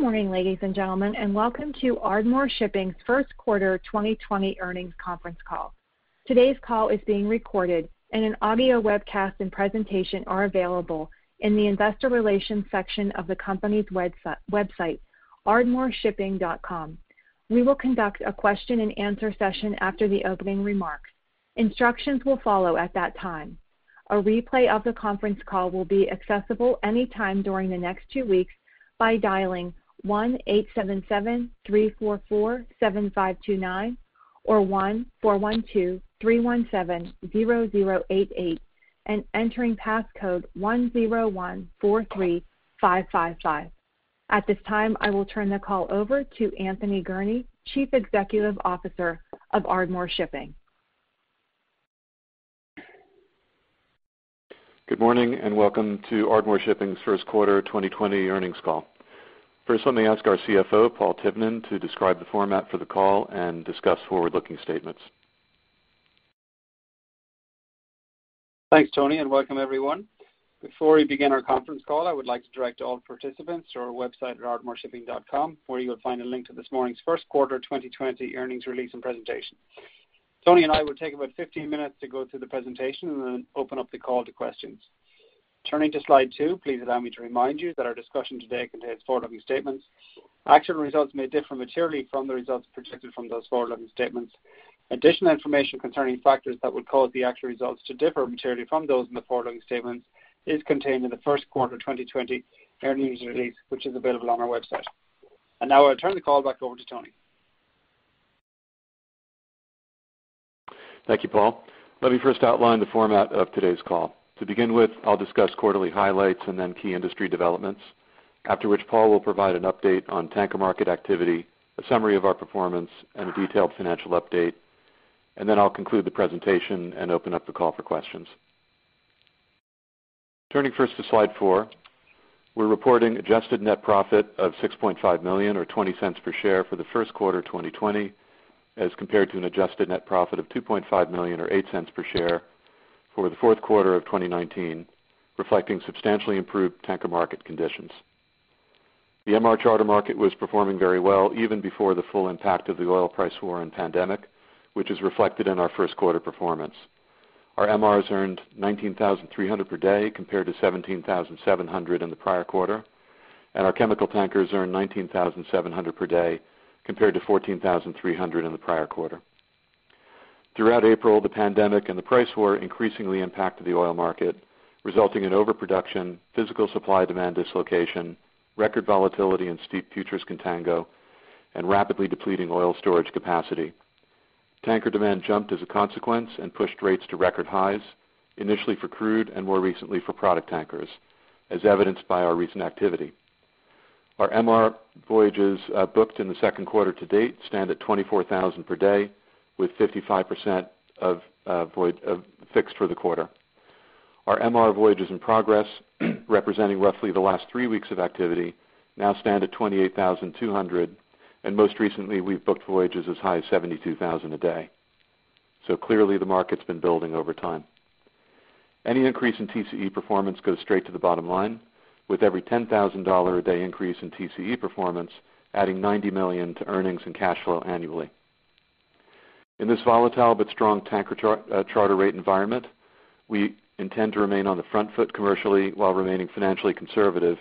Good morning, ladies and gentlemen, and welcome to Ardmore Shipping's first quarter 2020 earnings conference call. Today's call is being recorded, and an audio webcast and presentation are available in the investor relations section of the company's website, ardmoreshipping.com. We will conduct a question-and-answer session after the opening remarks. Instructions will follow at that time. A replay of the conference call will be accessible anytime during the next two weeks by dialing 1-877-344-7529 or 1-412-317-0088 and entering passcode 10143555. At this time, I will turn the call over to Anthony Gurnee, Chief Executive Officer of Ardmore Shipping. Good morning and welcome to Ardmore Shipping's first quarter 2020 earnings call. First, let me ask our CFO, Paul Tivnan, to describe the format for the call and discuss forward-looking statements. Thanks, Tony, and welcome, everyone. Before we begin our conference call, I would like to direct all participants to our website at ardmoreshipping.com, where you will find a link to this morning's first quarter 2020 earnings release and presentation. Tony and I will take about 15 minutes to go through the presentation and then open up the call to questions. Turning to slide 2, please allow me to remind you that our discussion today contains forward-looking statements. Actual results may differ materially from the results projected from those forward-looking statements. Additional information concerning factors that would cause the actual results to differ materially from those in the forward-looking statements is contained in the first quarter 2020 earnings release, which is available on our website. Now I'll turn the call back over to Tony. Thank you, Paul. Let me first outline the format of today's call. To begin with, I'll discuss quarterly highlights and then key industry developments, after which Paul will provide an update on tanker market activity, a summary of our performance, and a detailed financial update. Then I'll conclude the presentation and open up the call for questions. Turning first to slide four, we're reporting adjusted net profit of $6.5 million or $0.20 per share for the first quarter 2020 as compared to an adjusted net profit of $2.5 million or $0.08 per share for the fourth quarter of 2019, reflecting substantially improved tanker market conditions. The MR charter market was performing very well even before the full impact of the oil price war and pandemic, which is reflected in our first quarter performance. Our MRs earned $19,300 per day compared to $17,700 in the prior quarter, and our chemical tankers earned $19,700 per day compared to $14,300 in the prior quarter. Throughout April, the pandemic and the price war increasingly impacted the oil market, resulting in overproduction, physical supply demand dislocation, record volatility and steep futures contango, and rapidly depleting oil storage capacity. Tanker demand jumped as a consequence and pushed rates to record highs, initially for crude and more recently for product tankers, as evidenced by our recent activity. Our MR voyages, booked in the second quarter to date stand at $24,000 per day, with 55% of voyage days fixed for the quarter. Our MR voyages in progress, representing roughly the last three weeks of activity, now stand at $28,200, and most recently we've booked voyages as high as $72,000 a day. So clearly, the market's been building over time. Any increase in TCE performance goes straight to the bottom line, with every $10,000 a day increase in TCE performance adding $90 million to earnings and cash flow annually. In this volatile but strong tanker charter rate environment, we intend to remain on the front foot commercially while remaining financially conservative,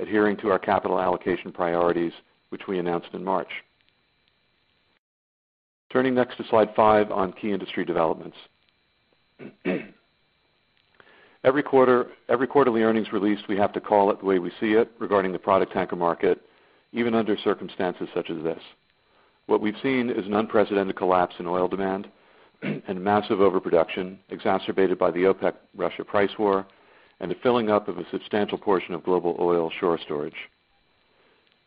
adhering to our capital allocation priorities, which we announced in March. Turning next to slide five on key industry developments. Every quarterly earnings release, we have to call it the way we see it regarding the product tanker market, even under circumstances such as this. What we've seen is an unprecedented collapse in oil demand and massive overproduction exacerbated by the OPEC-Russia price war and the filling up of a substantial portion of global oil onshore storage.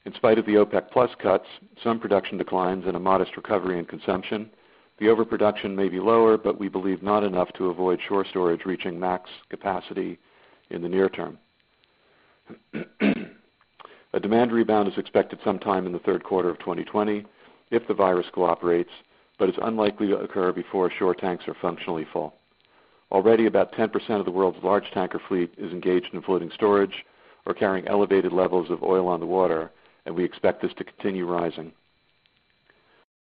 In spite of the OPEC+ cuts, some production declines and a modest recovery in consumption, the overproduction may be lower, but we believe not enough to avoid shore storage reaching max capacity in the near term. A demand rebound is expected sometime in the third quarter of 2020 if the virus cooperates, but it's unlikely to occur before shore tanks are functionally full. Already, about 10% of the world's large tanker fleet is engaged in floating storage or carrying elevated levels of oil on the water, and we expect this to continue rising.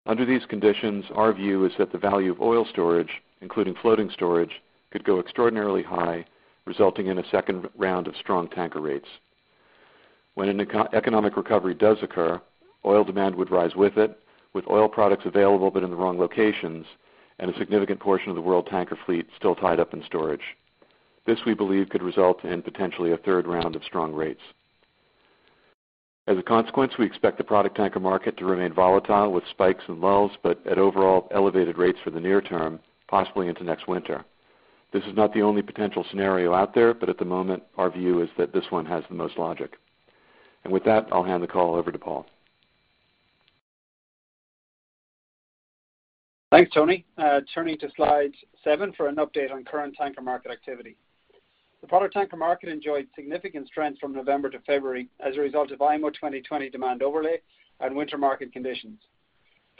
Under these conditions, our view is that the value of oil storage, including floating storage, could go extraordinarily high, resulting in a second round of strong tanker rates. When an economic recovery does occur, oil demand would rise with it, with oil products available but in the wrong locations and a significant portion of the world tanker fleet still tied up in storage. This, we believe, could result in potentially a third round of strong rates. As a consequence, we expect the product tanker market to remain volatile with spikes and lulls but at overall elevated rates for the near term, possibly into next winter. This is not the only potential scenario out there, but at the moment, our view is that this one has the most logic. With that, I'll hand the call over to Paul. Thanks, Tony. Turning to slide seven for an update on current tanker market activity. The product tanker market enjoyed significant strength from November to February as a result of IMO 2020 demand overlay and winter market conditions.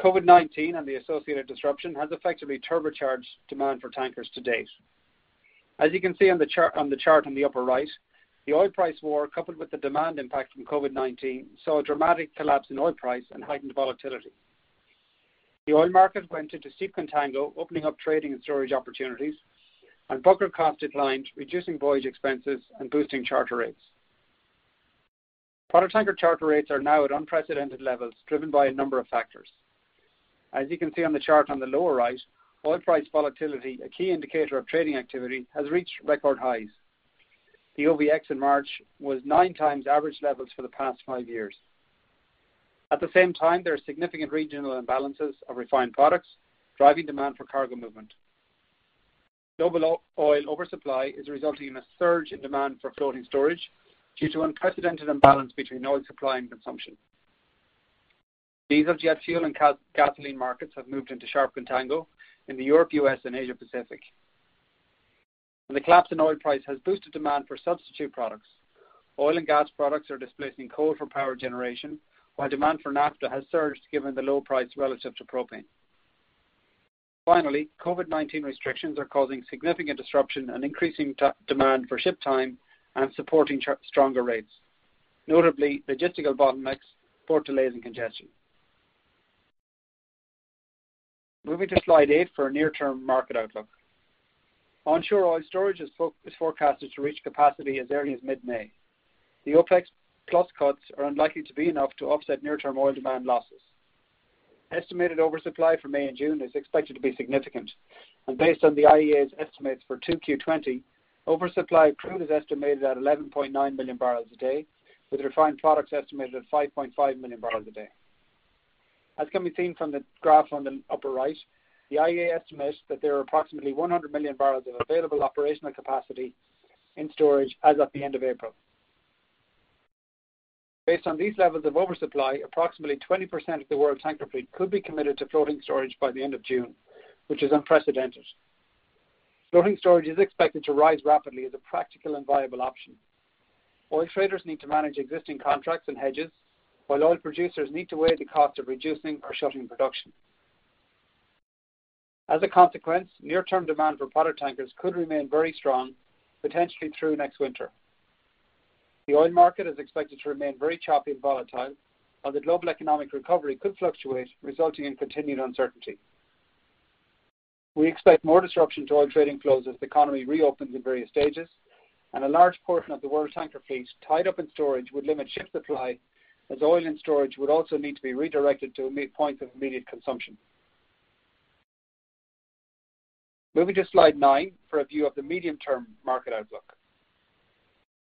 COVID-19 and the associated disruption has effectively turbocharged demand for tankers to date. As you can see on the chart on the upper right, the oil price war coupled with the demand impact from COVID-19 saw a dramatic collapse in oil price and heightened volatility. The oil market went into steep contango, opening up trading and storage opportunities, and bunker cost declined, reducing voyage expenses and boosting charter rates. Product tanker charter rates are now at unprecedented levels, driven by a number of factors. As you can see on the chart on the lower right, oil price volatility, a key indicator of trading activity, has reached record highs. The OVX in March was nine times average levels for the past five years. At the same time, there are significant regional imbalances of refined products driving demand for cargo movement. Global oil oversupply is resulting in a surge in demand for floating storage due to unprecedented imbalance between oil supply and consumption. Diesel, jet fuel, and gasoline markets have moved into sharp contango in Europe, U.S., and Asia Pacific. The collapse in oil price has boosted demand for substitute products. Oil and gas products are displacing coal for power generation, while demand for naphtha has surged given the low price relative to propane. Finally, COVID-19 restrictions are causing significant disruption and increasing the demand for ship time and supporting charter stronger rates, notably logistical bottlenecks, port delays, and congestion. Moving to slide eight for a near-term market outlook. Onshore oil storage is forecasted to reach capacity as early as mid-May. The OPEC+ cuts are unlikely to be enough to offset near-term oil demand losses. Estimated oversupply for May and June is expected to be significant, and based on the IEA's estimates for 2Q20, oversupply of crude is estimated at 11.9 million barrels a day, with refined products estimated at 5.5 million barrels a day. As can be seen from the graph on the upper right, the IEA estimates that there are approximately 100 million barrels of available operational capacity in storage as of the end of April. Based on these levels of oversupply, approximately 20% of the world tanker fleet could be committed to floating storage by the end of June, which is unprecedented. Floating storage is expected to rise rapidly as a practical and viable option. Oil traders need to manage existing contracts and hedges, while oil producers need to weigh the cost of reducing or shutting production. As a consequence, near-term demand for product tankers could remain very strong, potentially through next winter. The oil market is expected to remain very choppy and volatile, while the global economic recovery could fluctuate, resulting in continued uncertainty. We expect more disruption to oil trading flows as the economy reopens in various stages, and a large portion of the world tanker fleet tied up in storage would limit ship supply, as oil in storage would also need to be redirected to immediate points of immediate consumption. Moving to slide nine for a view of the medium-term market outlook.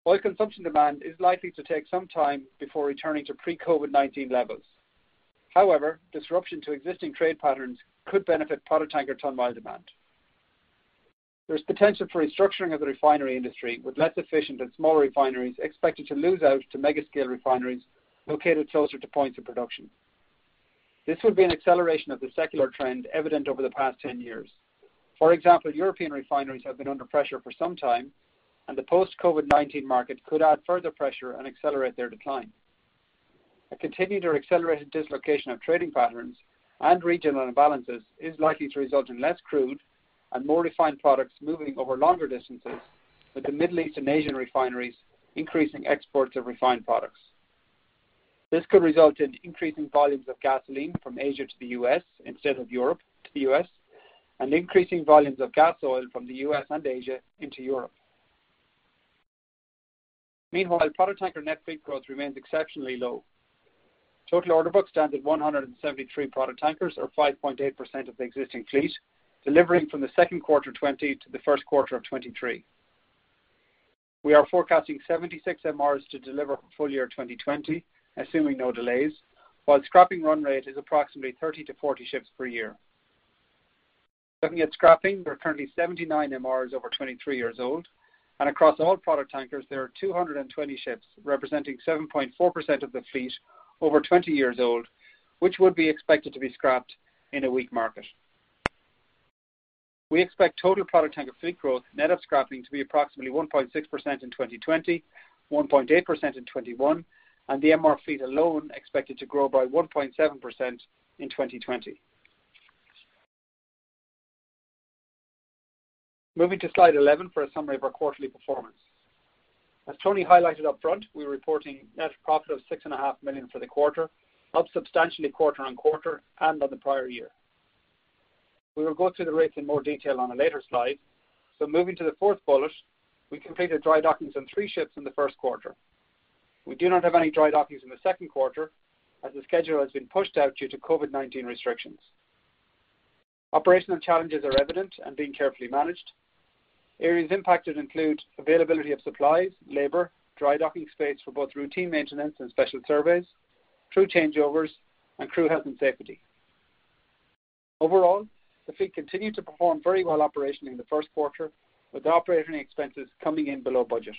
Oil consumption demand is likely to take some time before returning to pre-COVID-19 levels. However, disruption to existing trade patterns could benefit product tanker ton mile demand. There's potential for restructuring of the refinery industry, with less efficient and smaller refineries expected to lose out to megascale refineries located closer to points of production. This would be an acceleration of the secular trend evident over the past 10 years. For example, European refineries have been under pressure for some time, and the post-COVID-19 market could add further pressure and accelerate their decline. A continued or accelerated dislocation of trading patterns and regional imbalances is likely to result in less crude and more refined products moving over longer distances, with the Middle East and Asian refineries increasing exports of refined products. This could result in increasing volumes of gasoline from Asia to the U.S. instead of Europe to the U.S., and increasing volumes of gas oil from the U.S. and Asia into Europe. Meanwhile, product tanker net fleet growth remains exceptionally low. Total order book stands at 173 product tankers, or 5.8% of the existing fleet, delivering from the second quarter 2020 to the first quarter of 2023. We are forecasting 76 MRs to deliver for full year 2020, assuming no delays, while scrapping run rate is approximately 30-40 ships per year. Looking at scrapping, there are currently 79 MRs over 23 years old, and across all product tankers, there are 220 ships representing 7.4% of the fleet over 20 years old, which would be expected to be scrapped in a weak market. We expect total product tanker fleet growth net of scrapping to be approximately 1.6% in 2020, 1.8% in 2021, and the MR fleet alone expected to grow by 1.7% in 2020. Moving to slide 11 for a summary of our quarterly performance. As Tony highlighted upfront, we're reporting net profit of $6.5 million for the quarter, up substantially quarter on quarter and on the prior year. We will go through the rates in more detail on a later slide. Moving to the fourth bullet, we completed dry dockings on three ships in the first quarter. We do not have any dry dockings in the second quarter, as the schedule has been pushed out due to COVID-19 restrictions. Operational challenges are evident and being carefully managed. Areas impacted include availability of supplies, labor, dry docking space for both routine maintenance and special surveys, crew changeovers, and crew health and safety. Overall, the fleet continued to perform very well operationally in the first quarter, with the operating expenses coming in below budget.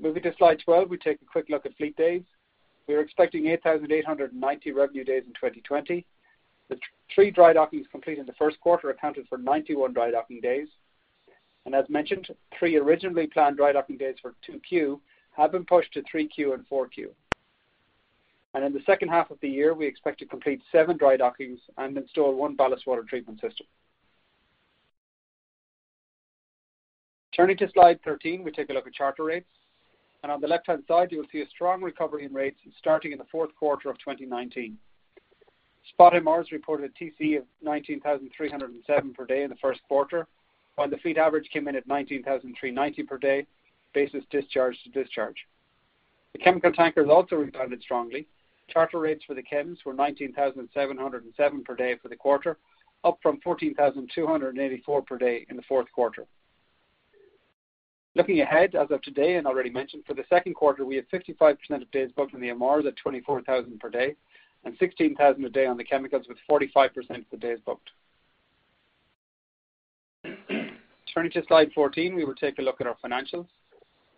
Moving to slide 12, we take a quick look at fleet days. We are expecting 8,890 revenue days in 2020. The three drydockings completed in the first quarter accounted for 91 drydocking days. As mentioned, three originally planned drydocking days for 2Q have been pushed to 3Q and 4Q. In the second half of the year, we expect to complete seven drydockings and install one ballast water treatment system. Turning to slide 13, we take a look at charter rates. On the left-hand side, you will see a strong recovery in rates starting in the fourth quarter of 2019. Spot MRs reported a TCE of $19,307 per day in the first quarter, while the fleet average came in at $19,390 per day basis discharge to discharge. The chemical tankers also rebounded strongly. Charter rates for the chems were $19,707 per day for the quarter, up from $14,284 per day in the fourth quarter. Looking ahead as of today, and already mentioned, for the second quarter, we have 55% of days booked in the MRs at $24,000 per day and $16,000 a day on the chemicals, with 45% of the days booked. Turning to slide 14, we will take a look at our financials.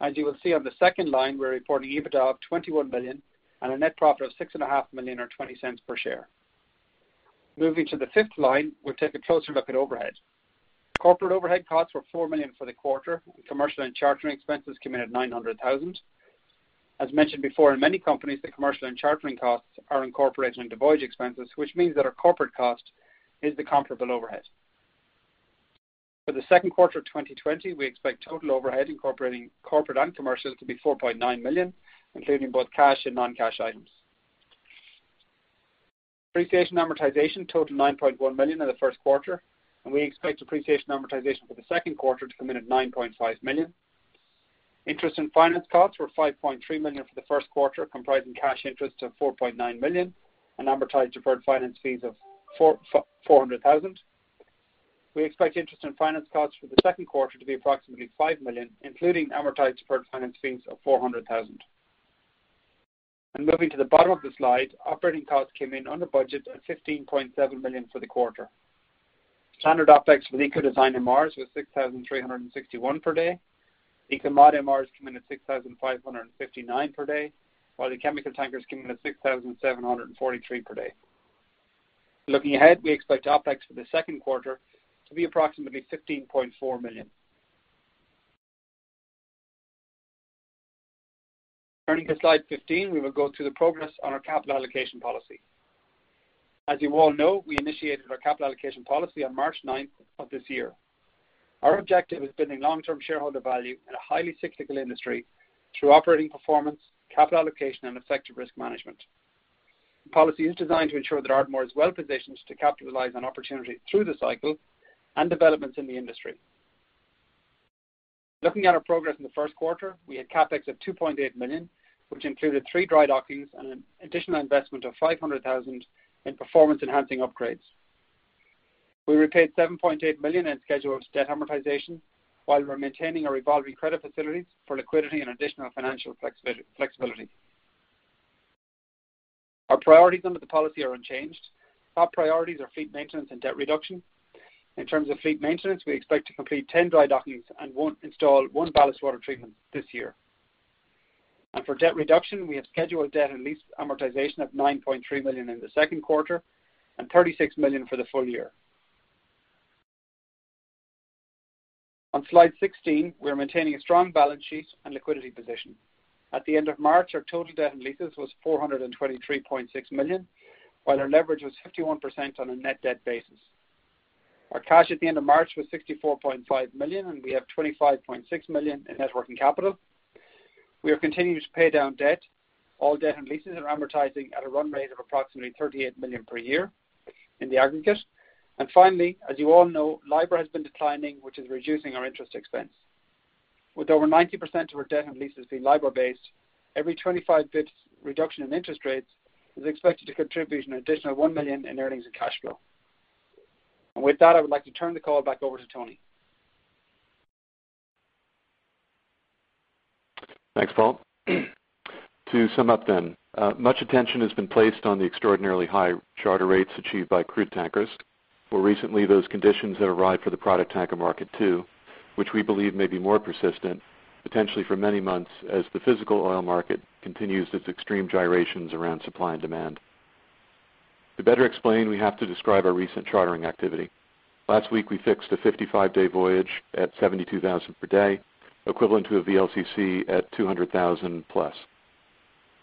As you will see on the second line, we're reporting EBITDA of $21 million and a net profit of $6.5 million or $0.20 per share. Moving to the fifth line, we'll take a closer look at overhead. Corporate overhead costs were $4 million for the quarter, and commercial and chartering expenses came in at $900,000. As mentioned before, in many companies, the commercial and chartering costs are incorporated into voyage expenses, which means that our corporate cost is the comparable overhead. For the second quarter of 2020, we expect total overhead incorporating corporate and commercial to be $4.9 million, including both cash and non-cash items. depreciation and amortization, total $9.1 million in the first quarter, and we expect depreciation and amortization for the second quarter to come in at $9.5 million. Interest and finance costs were $5.3 million for the first quarter, comprising cash interest of $4.9 million and amortized deferred finance fees of $4.4 million. We expect interest and finance costs for the second quarter to be approximately $5 million, including amortized deferred finance fees of $400,000. And moving to the bottom of the slide, operating costs came in under budget at $15.7 million for the quarter. Standard OpEx for the Eco-design MRs was $6,361 per day. Eco-mod MRs came in at $6,559 per day, while the chemical tankers came in at $6,743 per day. Looking ahead, we expect OpEx for the second quarter to be approximately $15.4 million. Turning to slide 15, we will go through the progress on our capital allocation policy. As you all know, we initiated our capital allocation policy on March 9th of this year. Our objective is building long-term shareholder value in a highly cyclical industry through operating performance, capital allocation, and effective risk management. The policy is designed to ensure that Ardmore is well positioned to capitalize on opportunity through the cycle and developments in the industry. Looking at our progress in the first quarter, we had CapEx of $2.8 million, which included three dry dockings and an additional investment of $500,000 in performance-enhancing upgrades. We repaid $7.8 million in scheduled debt amortization while we're maintaining our evolving credit facilities for liquidity and additional financial flexibility. Our priorities under the policy are unchanged. Top priorities are fleet maintenance and debt reduction. In terms of fleet maintenance, we expect to complete 10 dry dockings and won't install one ballast water treatment this year. For debt reduction, we have scheduled debt and lease amortization at $9.3 million in the second quarter and $36 million for the full year. On slide 16, we are maintaining a strong balance sheet and liquidity position. At the end of March, our total debt and leases was $423.6 million, while our leverage was 51% on a net debt basis. Our cash at the end of March was $64.5 million, and we have $25.6 million in net working capital. We are continuing to pay down debt, all debt and leases, and amortizing at a run rate of approximately $38 million per year in the aggregate. Finally, as you all know, LIBOR has been declining, which is reducing our interest expense. With over 90% of our debt and leases being LIBOR-based, every 25 basis points reduction in interest rates is expected to contribute an additional $1 million in earnings and cash flow. With that, I would like to turn the call back over to Tony. Thanks, Paul. To sum up then, much attention has been placed on the extraordinarily high charter rates achieved by crude tankers, more recently, those conditions that arrived for the product tanker market too, which we believe may be more persistent, potentially for many months, as the physical oil market continues its extreme gyrations around supply and demand. To better explain, we have to describe our recent chartering activity. Last week, we fixed a 55-day voyage at $72,000 per day, equivalent to a VLCC at $200,000+.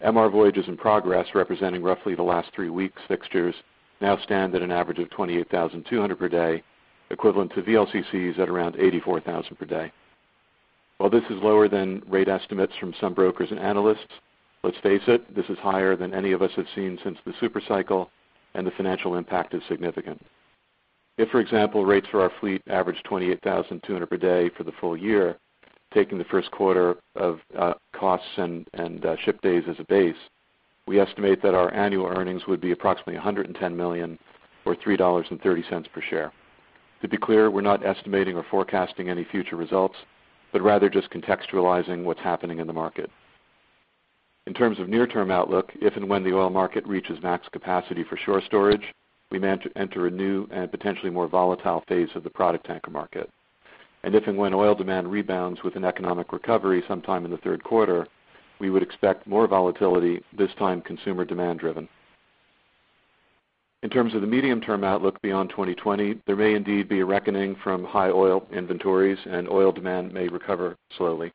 MR voyages in progress, representing roughly the last three weeks, fixtures, now stand at an average of $28,200 per day, equivalent to VLCCs at around $84,000 per day. While this is lower than rate estimates from some brokers and analysts, let's face it, this is higher than any of us have seen since the supercycle, and the financial impact is significant. If, for example, rates for our fleet average $28,200 per day for the full year, taking the first quarter costs and ship days as a base, we estimate that our annual earnings would be approximately $110 million or $3.30 per share. To be clear, we're not estimating or forecasting any future results, but rather just contextualizing what's happening in the market. In terms of near-term outlook, if and when the oil market reaches max capacity for onshore storage, we may enter a new and potentially more volatile phase of the product tanker market. If and when oil demand rebounds with an economic recovery sometime in the third quarter, we would expect more volatility, this time consumer demand-driven. In terms of the medium-term outlook beyond 2020, there may indeed be a reckoning from high oil inventories, and oil demand may recover slowly.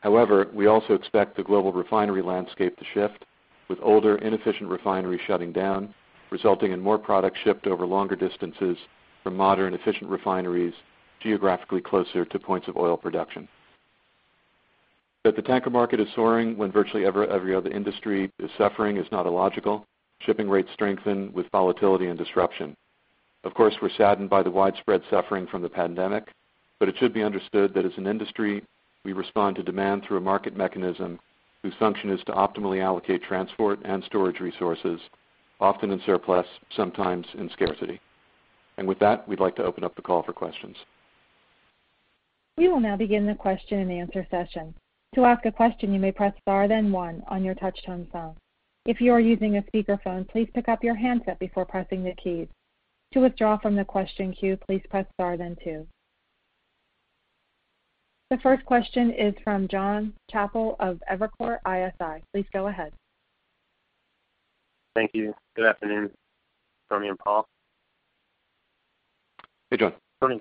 However, we also expect the global refinery landscape to shift, with older, inefficient refineries shutting down, resulting in more product shipped over longer distances from modern, efficient refineries geographically closer to points of oil production. That the tanker market is soaring when virtually every other industry is suffering is not illogical. Shipping rates strengthen with volatility and disruption. Of course, we're saddened by the widespread suffering from the pandemic, but it should be understood that as an industry, we respond to demand through a market mechanism whose function is to optimally allocate transport and storage resources, often in surplus, sometimes in scarcity. And with that, we'd like to open up the call for questions. We will now begin the question and answer session. To ask a question, you may press star then one on your touch-tone phone. If you are using a speakerphone, please pick up your handset before pressing the keys. To withdraw from the question queue, please press star then two. The first question is from Jon Chappell of Evercore ISI. Please go ahead. Thank you. Good afternoon, Tony and Paul. Hey, John. Tony,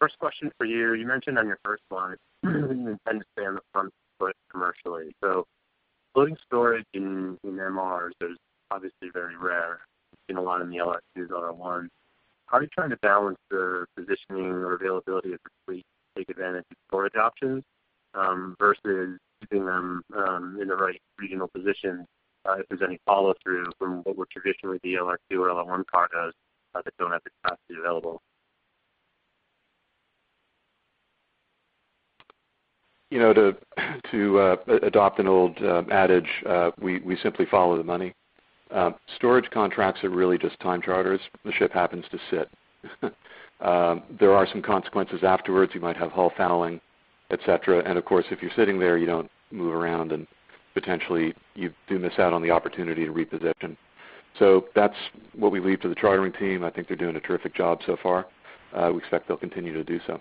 first question for you. You mentioned on your first line you intend to stay on the front foot commercially. So floating storage in MRs, that is obviously very rare. We've seen a lot in the LR2s, LR1s. How are you trying to balance the positioning or availability of the fleet to take advantage of storage options, versus keeping them in the right regional position, if there's any follow-through from what were traditionally the LR2 or LR1 cargoes, that don't have the capacity available? You know, to adopt an old adage, we simply follow the money. Storage contracts are really just time charters. The ship happens to sit. There are some consequences afterwards. You might have hull fouling, etc. And of course, if you're sitting there, you don't move around, and potentially, you do miss out on the opportunity to reposition. So that's what we leave to the chartering team. I think they're doing a terrific job so far. We expect they'll continue to do so.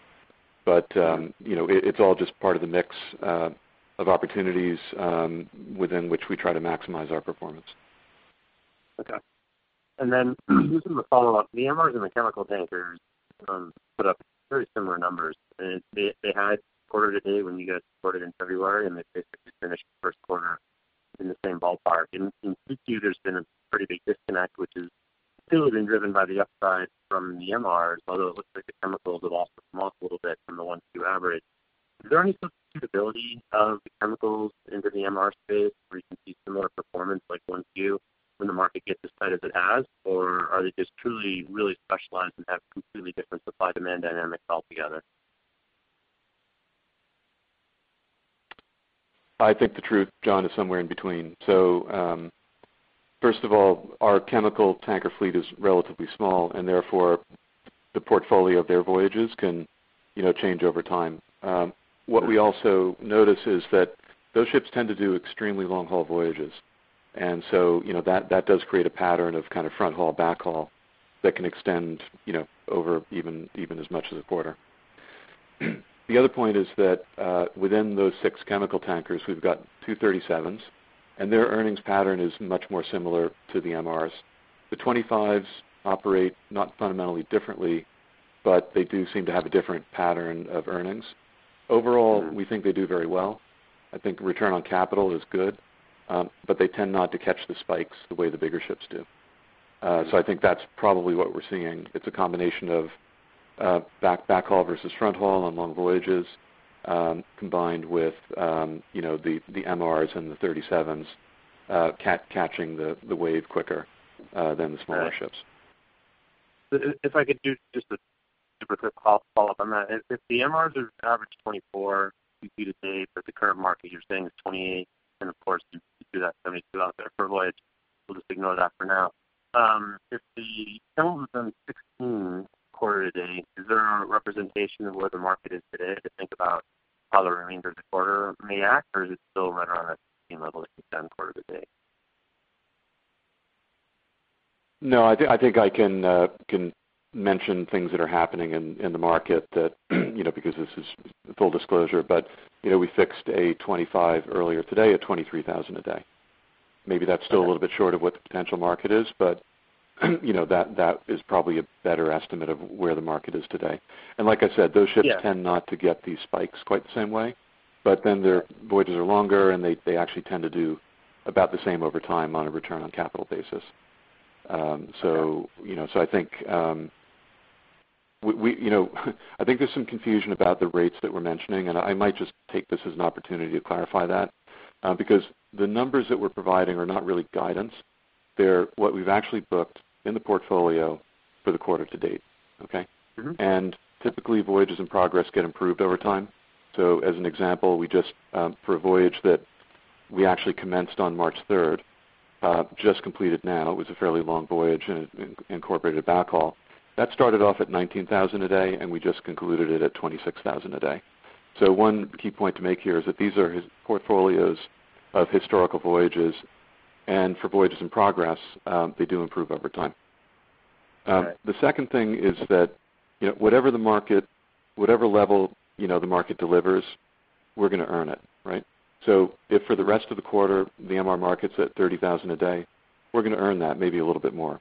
But, you know, it's all just part of the mix of opportunities within which we try to maximize our performance. Okay. And then just in the follow-up, the MRs and the chemical tankers put up very similar numbers. And they had quarter-to-date when you guys reported in February, and they basically finished the first quarter in the same ballpark. In Q2, there's been a pretty big disconnect, which has still been driven by the upside from the MRs, although it looks like the chemicals have also come off a little bit from the 1Q average. Is there any substitutability of the chemicals into the MR space where you can see similar performance like 1Q when the market gets as tight as it has, or are they just truly really specialized and have completely different supply-demand dynamics altogether? I think the truth, John, is somewhere in between. So, first of all, our chemical tanker fleet is relatively small, and therefore, the portfolio of their voyages can, you know, change over time. What we also notice is that those ships tend to do extremely long-haul voyages. And so, you know, that, that does create a pattern of kind of front-haul, back-haul that can extend, you know, over even, even as much as a quarter. The other point is that, within those six chemical tankers, we've got two 37s, and their earnings pattern is much more similar to the MRs. The 25s operate not fundamentally differently, but they do seem to have a different pattern of earnings. Overall, we think they do very well. I think return on capital is good, but they tend not to catch the spikes the way the bigger ships do. So I think that's probably what we're seeing. It's a combination of back-haul versus front-haul on long voyages, combined with, you know, the MRs and the 37s catching the wave quicker than the smaller ships. Okay. If I could do just a super quick follow-up on that. If the MRs are average 24 Q2 to date, but the current market you're saying is 28, and of course, you do that 72 out there per voyage, we'll just ignore that for now. If the chemicals have done 16 quarter to date, is there a representation of where the market is today to think about how the remainder of the quarter may act, or is it still right around that 16 level that you said quarter to date? No, I think I can mention things that are happening in the market that, you know, because this is full disclosure, but, you know, we fixed a 25 earlier today at $23,000 a day. Maybe that's still a little bit short of what the potential market is, but, you know, that is probably a better estimate of where the market is today. And like I said, those ships tend not to get these spikes quite the same way, but then their voyages are longer, and they actually tend to do about the same over time on a return on capital basis. You know, I think there's some confusion about the rates that we're mentioning, and I might just take this as an opportunity to clarify that, because the numbers that we're providing are not really guidance. They're what we've actually booked in the portfolio for the quarter to date, okay? Mm-hmm. Typically, voyages in progress get improved over time. As an example, we just, for a voyage that we actually commenced on March 3rd, just completed now, it was a fairly long voyage and it incorporated a backhaul, that started off at $19,000 a day, and we just concluded it at $26,000 a day. One key point to make here is that these are his portfolios of historical voyages, and for voyages in progress, they do improve over time. Okay. The second thing is that, you know, whatever the market, whatever level, you know, the market delivers, we're gonna earn it, right? So if for the rest of the quarter, the MR market's at $30,000 a day, we're gonna earn that, maybe a little bit more.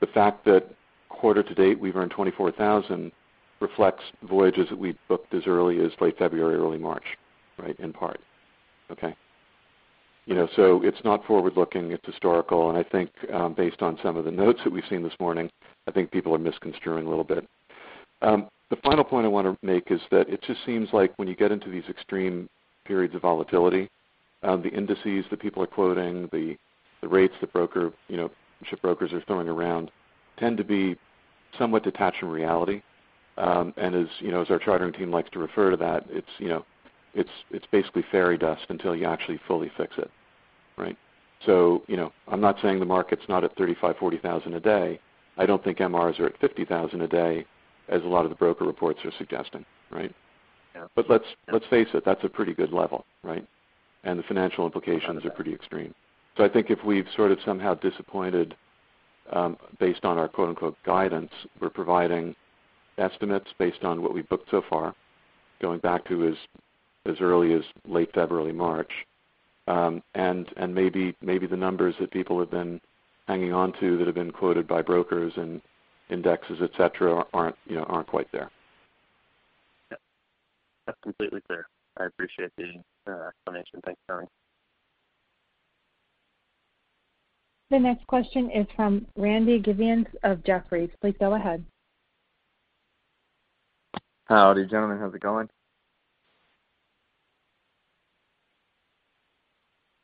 The fact that quarter to date we've earned $24,000 reflects voyages that we booked as early as late February, early March, right, in part, okay? You know, so it's not forward-looking. It's historical. And I think, based on some of the notes that we've seen this morning, I think people are misconstruing a little bit. The final point I wanna make is that it just seems like when you get into these extreme periods of volatility, the indices that people are quoting, the, the rates that broker, you know, ship brokers are throwing around tend to be somewhat detached from reality. As you know, as our chartering team likes to refer to that, it's, you know, it's basically fairy dust until you actually fully fix it, right? So, you know, I'm not saying the market's not at $35,000-$40,000 a day. I don't think MRs are at $50,000 a day as a lot of the broker reports are suggesting, right? Yeah. But let's face it. That's a pretty good level, right? And the financial implications are pretty extreme. So I think if we've sort of somehow disappointed, based on our "guidance," we're providing estimates based on what we've booked so far, going back to as early as late February, early March, and maybe the numbers that people have been hanging onto that have been quoted by brokers and indexes, etc., aren't, you know, quite there. Yeah. That's completely clear. I appreciate the explanation. Thanks, Tony. The next question is from Randy Giveans of Jefferies. Please go ahead. Howdy, gentlemen. How's it going?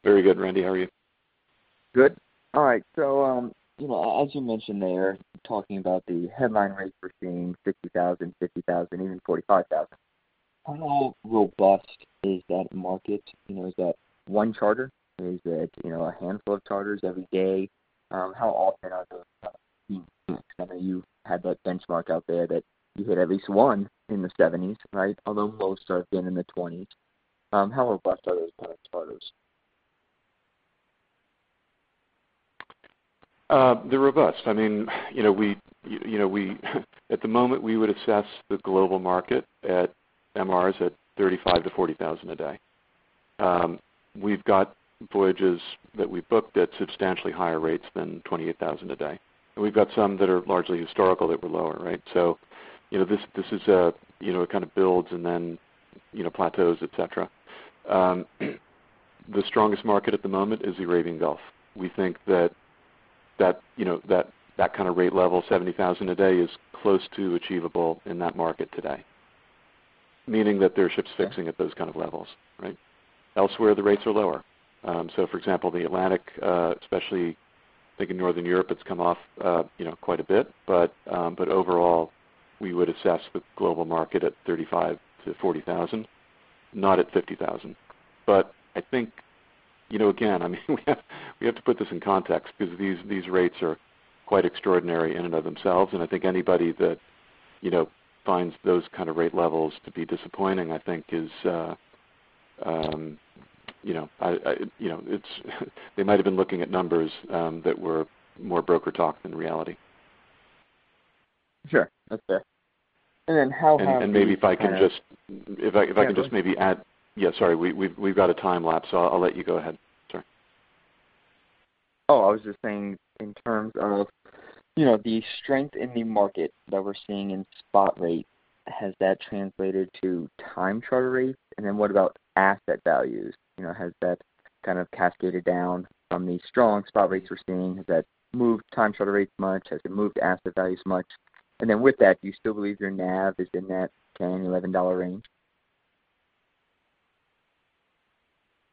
Very good, Randy. How are you? Good. All right. So, you know, as you mentioned, they are talking about the headline rates we're seeing, $50,000, $50,000, even $45,000. How robust is that market? You know, is that one charter? Is it, you know, a handful of charters every day? How often are those kind of being fixed? I know you had that benchmark out there that you hit at least one in the 70s, right, although most are again in the 20s. How robust are those kind of charters? They're robust. I mean, you know, we, you know, we at the moment, we would assess the global market at MRs at $35,000-$40,000 a day. We've got voyages that we've booked at substantially higher rates than $28,000 a day. And we've got some that are largely historical that were lower, right? So, you know, this, this is a, you know, it kind of builds and then, you know, plateaus, etc. The strongest market at the moment is the Arabian Gulf. We think that, that, you know, that, that kind of rate level, $70,000 a day, is close to achievable in that market today, meaning that there are ships fixing at those kind of levels, right? Elsewhere, the rates are lower. So for example, the Atlantic, especially I think in Northern Europe, it's come off, you know, quite a bit. But overall, we would assess the global market at $35,000-$40,000, not at $50,000. But I think, you know, again, I mean, we have to put this in context 'cause these rates are quite extraordinary in and of themselves. And I think anybody that, you know, finds those kind of rate levels to be disappointing, I think is, you know, I, you know, it's they might have been looking at numbers that were more broker talk than reality. Sure. That's fair. And then how have you? And maybe if I can just add. Go ahead. Yeah, sorry. We've got a time lapse, so I'll let you go ahead. Sorry. Oh, I was just saying in terms of, you know, the strength in the market that we're seeing in spot rate, has that translated to time charter rates? And then what about asset values? You know, has that kind of cascaded down from the strong spot rates we're seeing? Has that moved time charter rates much? Has it moved asset values much? And then with that, do you still believe your NAV is in that $10-$11 range?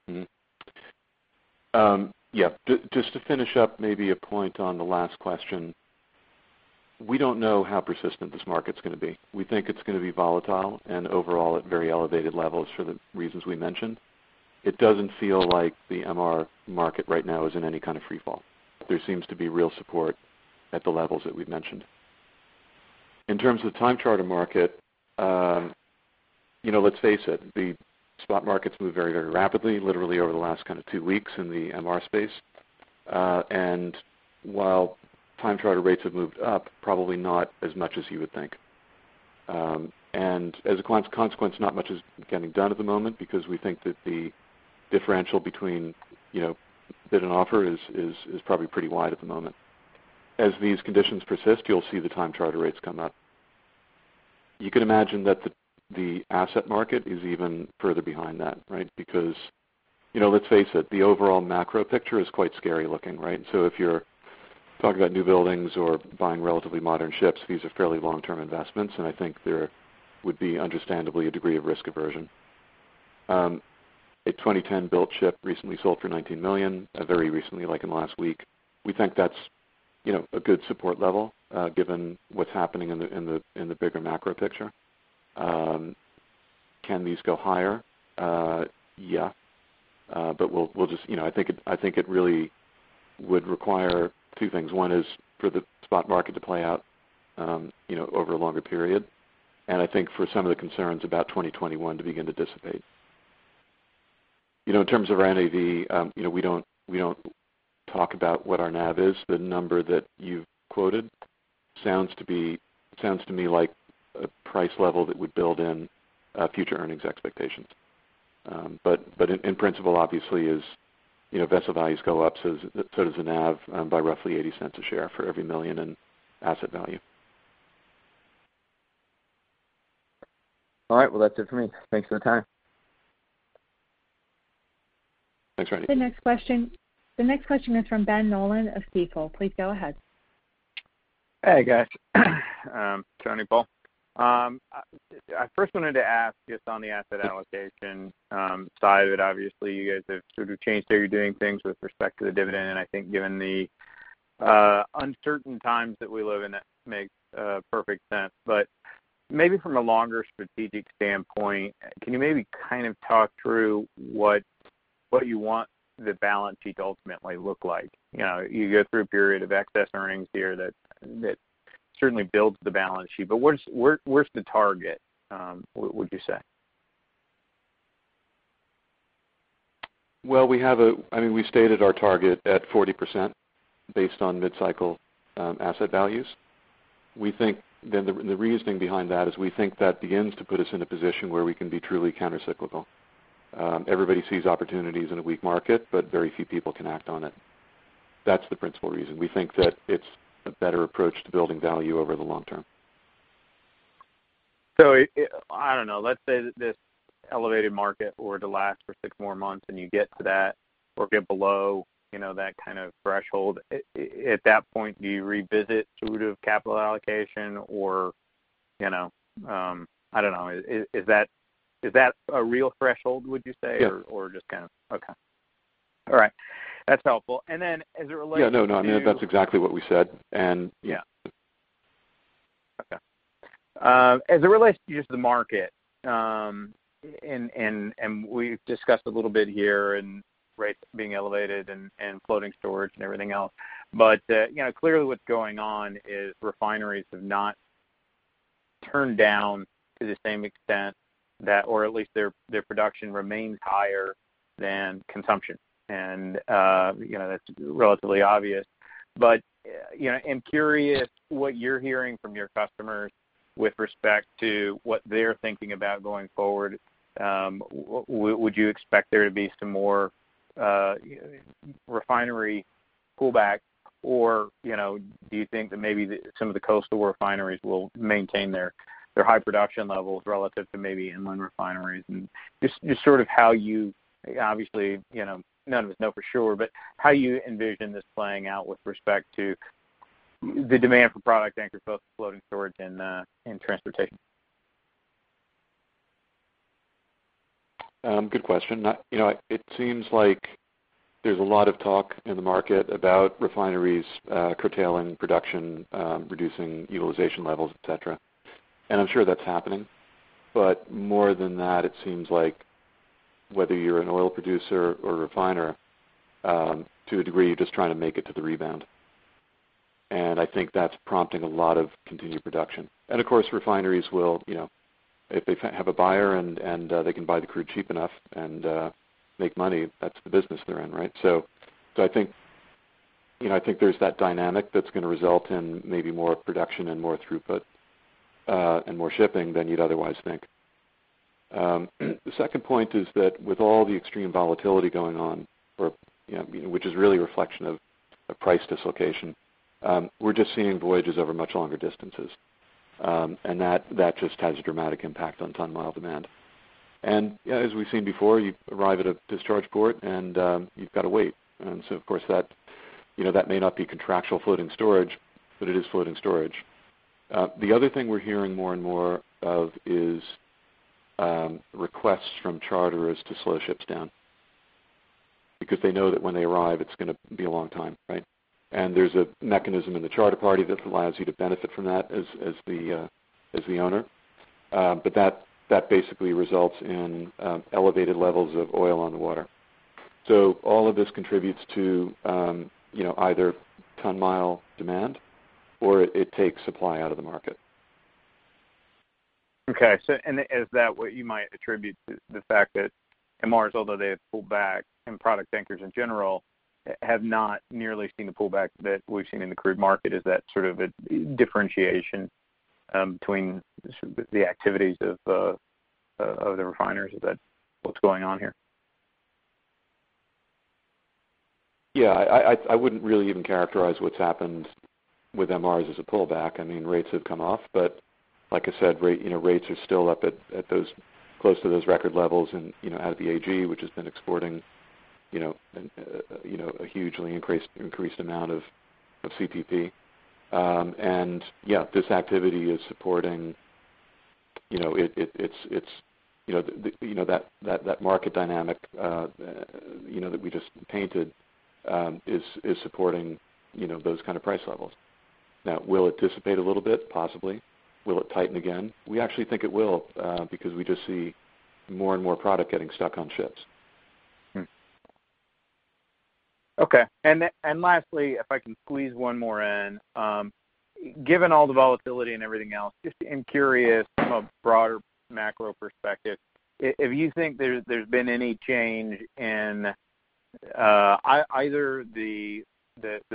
Mm-hmm. Yeah. Just to finish up, maybe a point on the last question. We don't know how persistent this market's gonna be. We think it's gonna be volatile and overall at very elevated levels for the reasons we mentioned. It doesn't feel like the MR market right now is in any kind of free fall. There seems to be real support at the levels that we've mentioned. In terms of the time charter market, you know, let's face it. The spot markets move very, very rapidly, literally over the last kind of two weeks in the MR space. And while time charter rates have moved up, probably not as much as you would think. And as a consequence, not much is getting done at the moment because we think that the differential between, you know, bid and offer is, is, is probably pretty wide at the moment. As these conditions persist, you'll see the time charter rates come up. You can imagine that the asset market is even further behind that, right, because, you know, let's face it. The overall macro picture is quite scary-looking, right? So if you're talking about newbuildings or buying relatively modern ships, these are fairly long-term investments, and I think there would be understandably a degree of risk aversion. A 2010-built ship recently sold for $19 million, very recently, like in the last week. We think that's, you know, a good support level, given what's happening in the bigger macro picture. Can these go higher? Yeah. But we'll just you know, I think it really would require two things. One is for the spot market to play out, you know, over a longer period. I think for some of the concerns about 2021 to begin to dissipate. You know, in terms of our NAV, you know, we don't talk about what our NAV is. The number that you've quoted sounds to me like a price level that would build in future earnings expectations. But in principle, obviously, as you know, vessel values go up, so does the NAV, by roughly $0.80 a share for every $1 million in asset value. All right. Well, that's it for me. Thanks for the time. Thanks, Randy. The next question is from Ben Nolan of Stifel. Please go ahead. Hey, guys. Tony, Paul. I first wanted to ask just on the asset allocation side of it. Obviously, you guys have sort of changed how you're doing things with respect to the dividend. And I think given the uncertain times that we live in, that makes perfect sense. But maybe from a longer strategic standpoint, can you maybe kind of talk through what you want the balance sheet to ultimately look like? You know, you go through a period of excess earnings here that certainly builds the balance sheet, but where's the target, would you say? Well, I mean, we stated our target at 40% based on mid-cycle asset values. We think the reasoning behind that is we think that begins to put us in a position where we can be truly countercyclical. Everybody sees opportunities in a weak market, but very few people can act on it. That's the principal reason. We think that it's a better approach to building value over the long term. So, I don't know. Let's say this elevated market were to last for six more months, and you get to that or get below, you know, that kind of threshold. At that point, do you revisit sort of capital allocation, or, you know, I don't know. Is that a real threshold, would you say, or just kind of? Yeah. Okay. All right. That's helpful. And then as it relates. Yeah. No, no. I mean, that's exactly what we said. And yeah. Okay. As it relates to just the market, and we've discussed a little bit here and rates being elevated and floating storage and everything else. But, you know, clearly, what's going on is refineries have not turned down to the same extent that or at least their production remains higher than consumption. And, you know, that's relatively obvious. But, you know, I'm curious what you're hearing from your customers with respect to what they're thinking about going forward. Would you expect there to be some more refinery pullback, or, you know, do you think that maybe some of the coastal refineries will maintain their high production levels relative to maybe inland refineries? Just, just sort of how you obviously, you know, none of us know for sure, but how you envision this playing out with respect to the demand for product anchored floating storage and, and transportation? Good question. No, you know, it seems like there's a lot of talk in the market about refineries curtailing production, reducing utilization levels, etc. And I'm sure that's happening. But more than that, it seems like whether you're an oil producer or a refiner, to a degree, you're just trying to make it to the rebound. And I think that's prompting a lot of continued production. And of course, refineries will, you know, if they have a buyer and they can buy the crude cheap enough and make money, that's the business they're in, right? So, I think, you know, I think there's that dynamic that's gonna result in maybe more production and more throughput, and more shipping than you'd otherwise think. The second point is that with all the extreme volatility going on or, you know, which is really a reflection of, of price dislocation, we're just seeing voyages over much longer distances. And that, that just has a dramatic impact on ton-mile demand. And, you know, as we've seen before, you arrive at a discharge port, and, you've gotta wait. And so of course, that you know, that may not be contractual floating storage, but it is floating storage. The other thing we're hearing more and more of is, requests from charterers to slow ships down because they know that when they arrive, it's gonna be a long time, right? And there's a mechanism in the charter party that allows you to benefit from that as, as the, as the owner. But that, that basically results in, elevated levels of oil on the water. So all of this contributes to, you know, either ton-mile demand or it takes supply out of the market. Okay. So, is that what you might attribute to the fact that MRs, although they have pulled back, and product tankers in general have not nearly seen the pullback that we've seen in the crude market? Is that sort of a differentiation between sort of the activities of the refiners? Is that what's going on here? Yeah. I wouldn't really even characterize what's happened with MRs as a pullback. I mean, rates have come off. But like I said, rates, you know, rates are still up at those close to those record levels in, you know, out of the AG, which has been exporting, you know, a hugely increased amount of CPP. And yeah, this activity is supporting, you know, it's, you know, that market dynamic, you know, that we just painted, is supporting, you know, those kind of price levels. Now, will it dissipate a little bit? Possibly. Will it tighten again? We actually think it will, because we just see more and more product getting stuck on ships. Okay. And lastly, if I can squeeze one more in, given all the volatility and everything else, just I'm curious from a broader macro perspective. If you think there's been any change in either the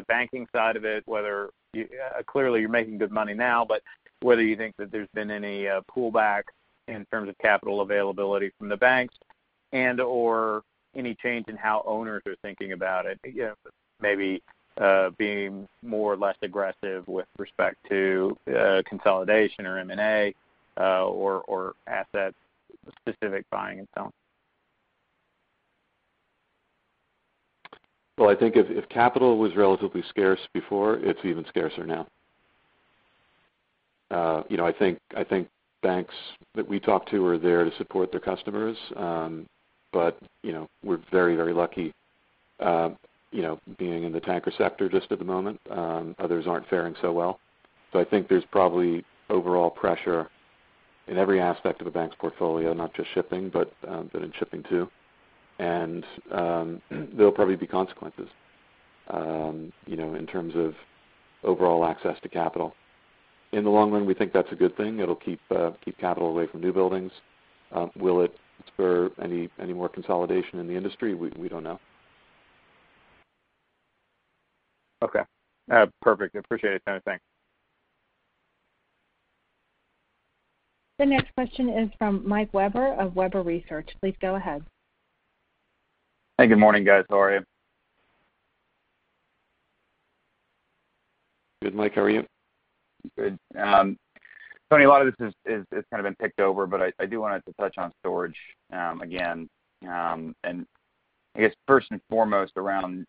banking side of it, whether, clearly, you're making good money now, but whether you think that there's been any pullback in terms of capital availability from the banks and/or any change in how owners are thinking about it, you know, maybe being more or less aggressive with respect to consolidation or M&A, or asset-specific buying and selling. Well, I think if, if capital was relatively scarce before, it's even scarcer now. You know, I think I think banks that we talk to are there to support their customers. But, you know, we're very, very lucky, you know, being in the tanker sector just at the moment. Others aren't faring so well. So I think there's probably overall pressure in every aspect of a bank's portfolio, not just shipping, but, but in shipping too. And, there'll probably be consequences, you know, in terms of overall access to capital. In the long run, we think that's a good thing. It'll keep, keep capital away from new buildings. Will it spur any, any more consolidation in the industry? We, we don't know. Okay. Perfect. Appreciate it, Tony. Thanks. The next question is from Mike Webber of Webber Research. Please go ahead. Hey. Good morning, guys. How are you? Good, Mike. How are you? Good. Tony, a lot of this is kind of been picked over, but I do wanted to touch on storage again, and I guess first and foremost around,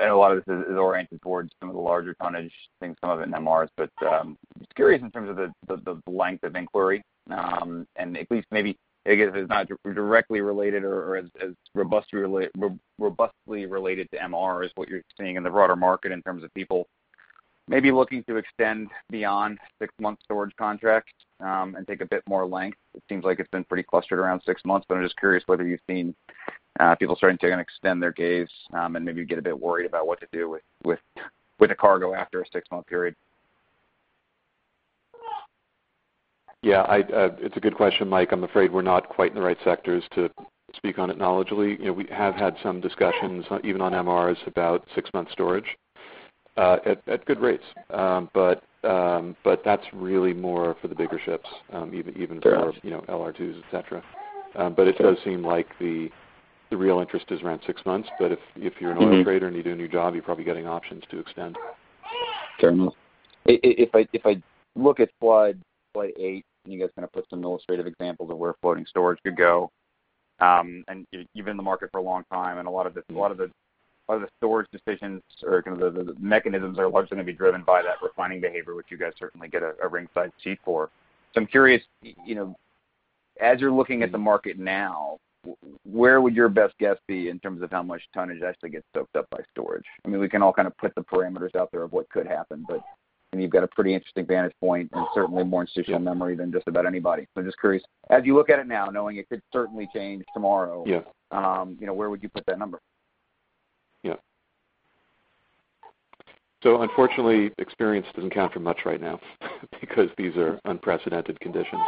and a lot of this is oriented towards some of the larger tonnage things, some of it in MRs. But just curious in terms of the length of inquiry, and at least maybe I guess if it's not directly related or as robustly related to MR is what you're seeing in the broader market in terms of people maybe looking to extend beyond six-month storage contracts, and take a bit more length. It seems like it's been pretty clustered around six months, but I'm just curious whether you've seen people starting to kind of extend their gaze, and maybe get a bit worried about what to do with a cargo after a six-month period. Yeah. It's a good question, Mike. I'm afraid we're not quite in the right sectors to speak on it knowledgeably. You know, we have had some discussions, even on MRs, about six-month storage, at good rates. But that's really more for the bigger ships, even for. Sure. You know, LR2s, etc. but it does seem like the real interest is around six months. But if you're an oil trader and you do a new job, you're probably getting options to extend. Sure enough. If I look at slide eight, and you guys kind of put some illustrative examples of where floating storage could go, and even in the market for a long time, and a lot of the. Mm-hmm. A lot of the storage decisions or kind of the mechanisms are largely gonna be driven by that refining behavior, which you guys certainly get a ringside seat for. So I'm curious, you know, as you're looking at the market now, where would your best guess be in terms of how much tonnage actually gets soaked up by storage? I mean, we can all kind of put the parameters out there of what could happen, but I mean, you've got a pretty interesting vantage point and certainly more institutional memory than just about anybody. So I'm just curious, as you look at it now, knowing it could certainly change tomorrow. Yeah. You know, where would you put that number? Yeah. So unfortunately, experience doesn't count for much right now because these are unprecedented conditions.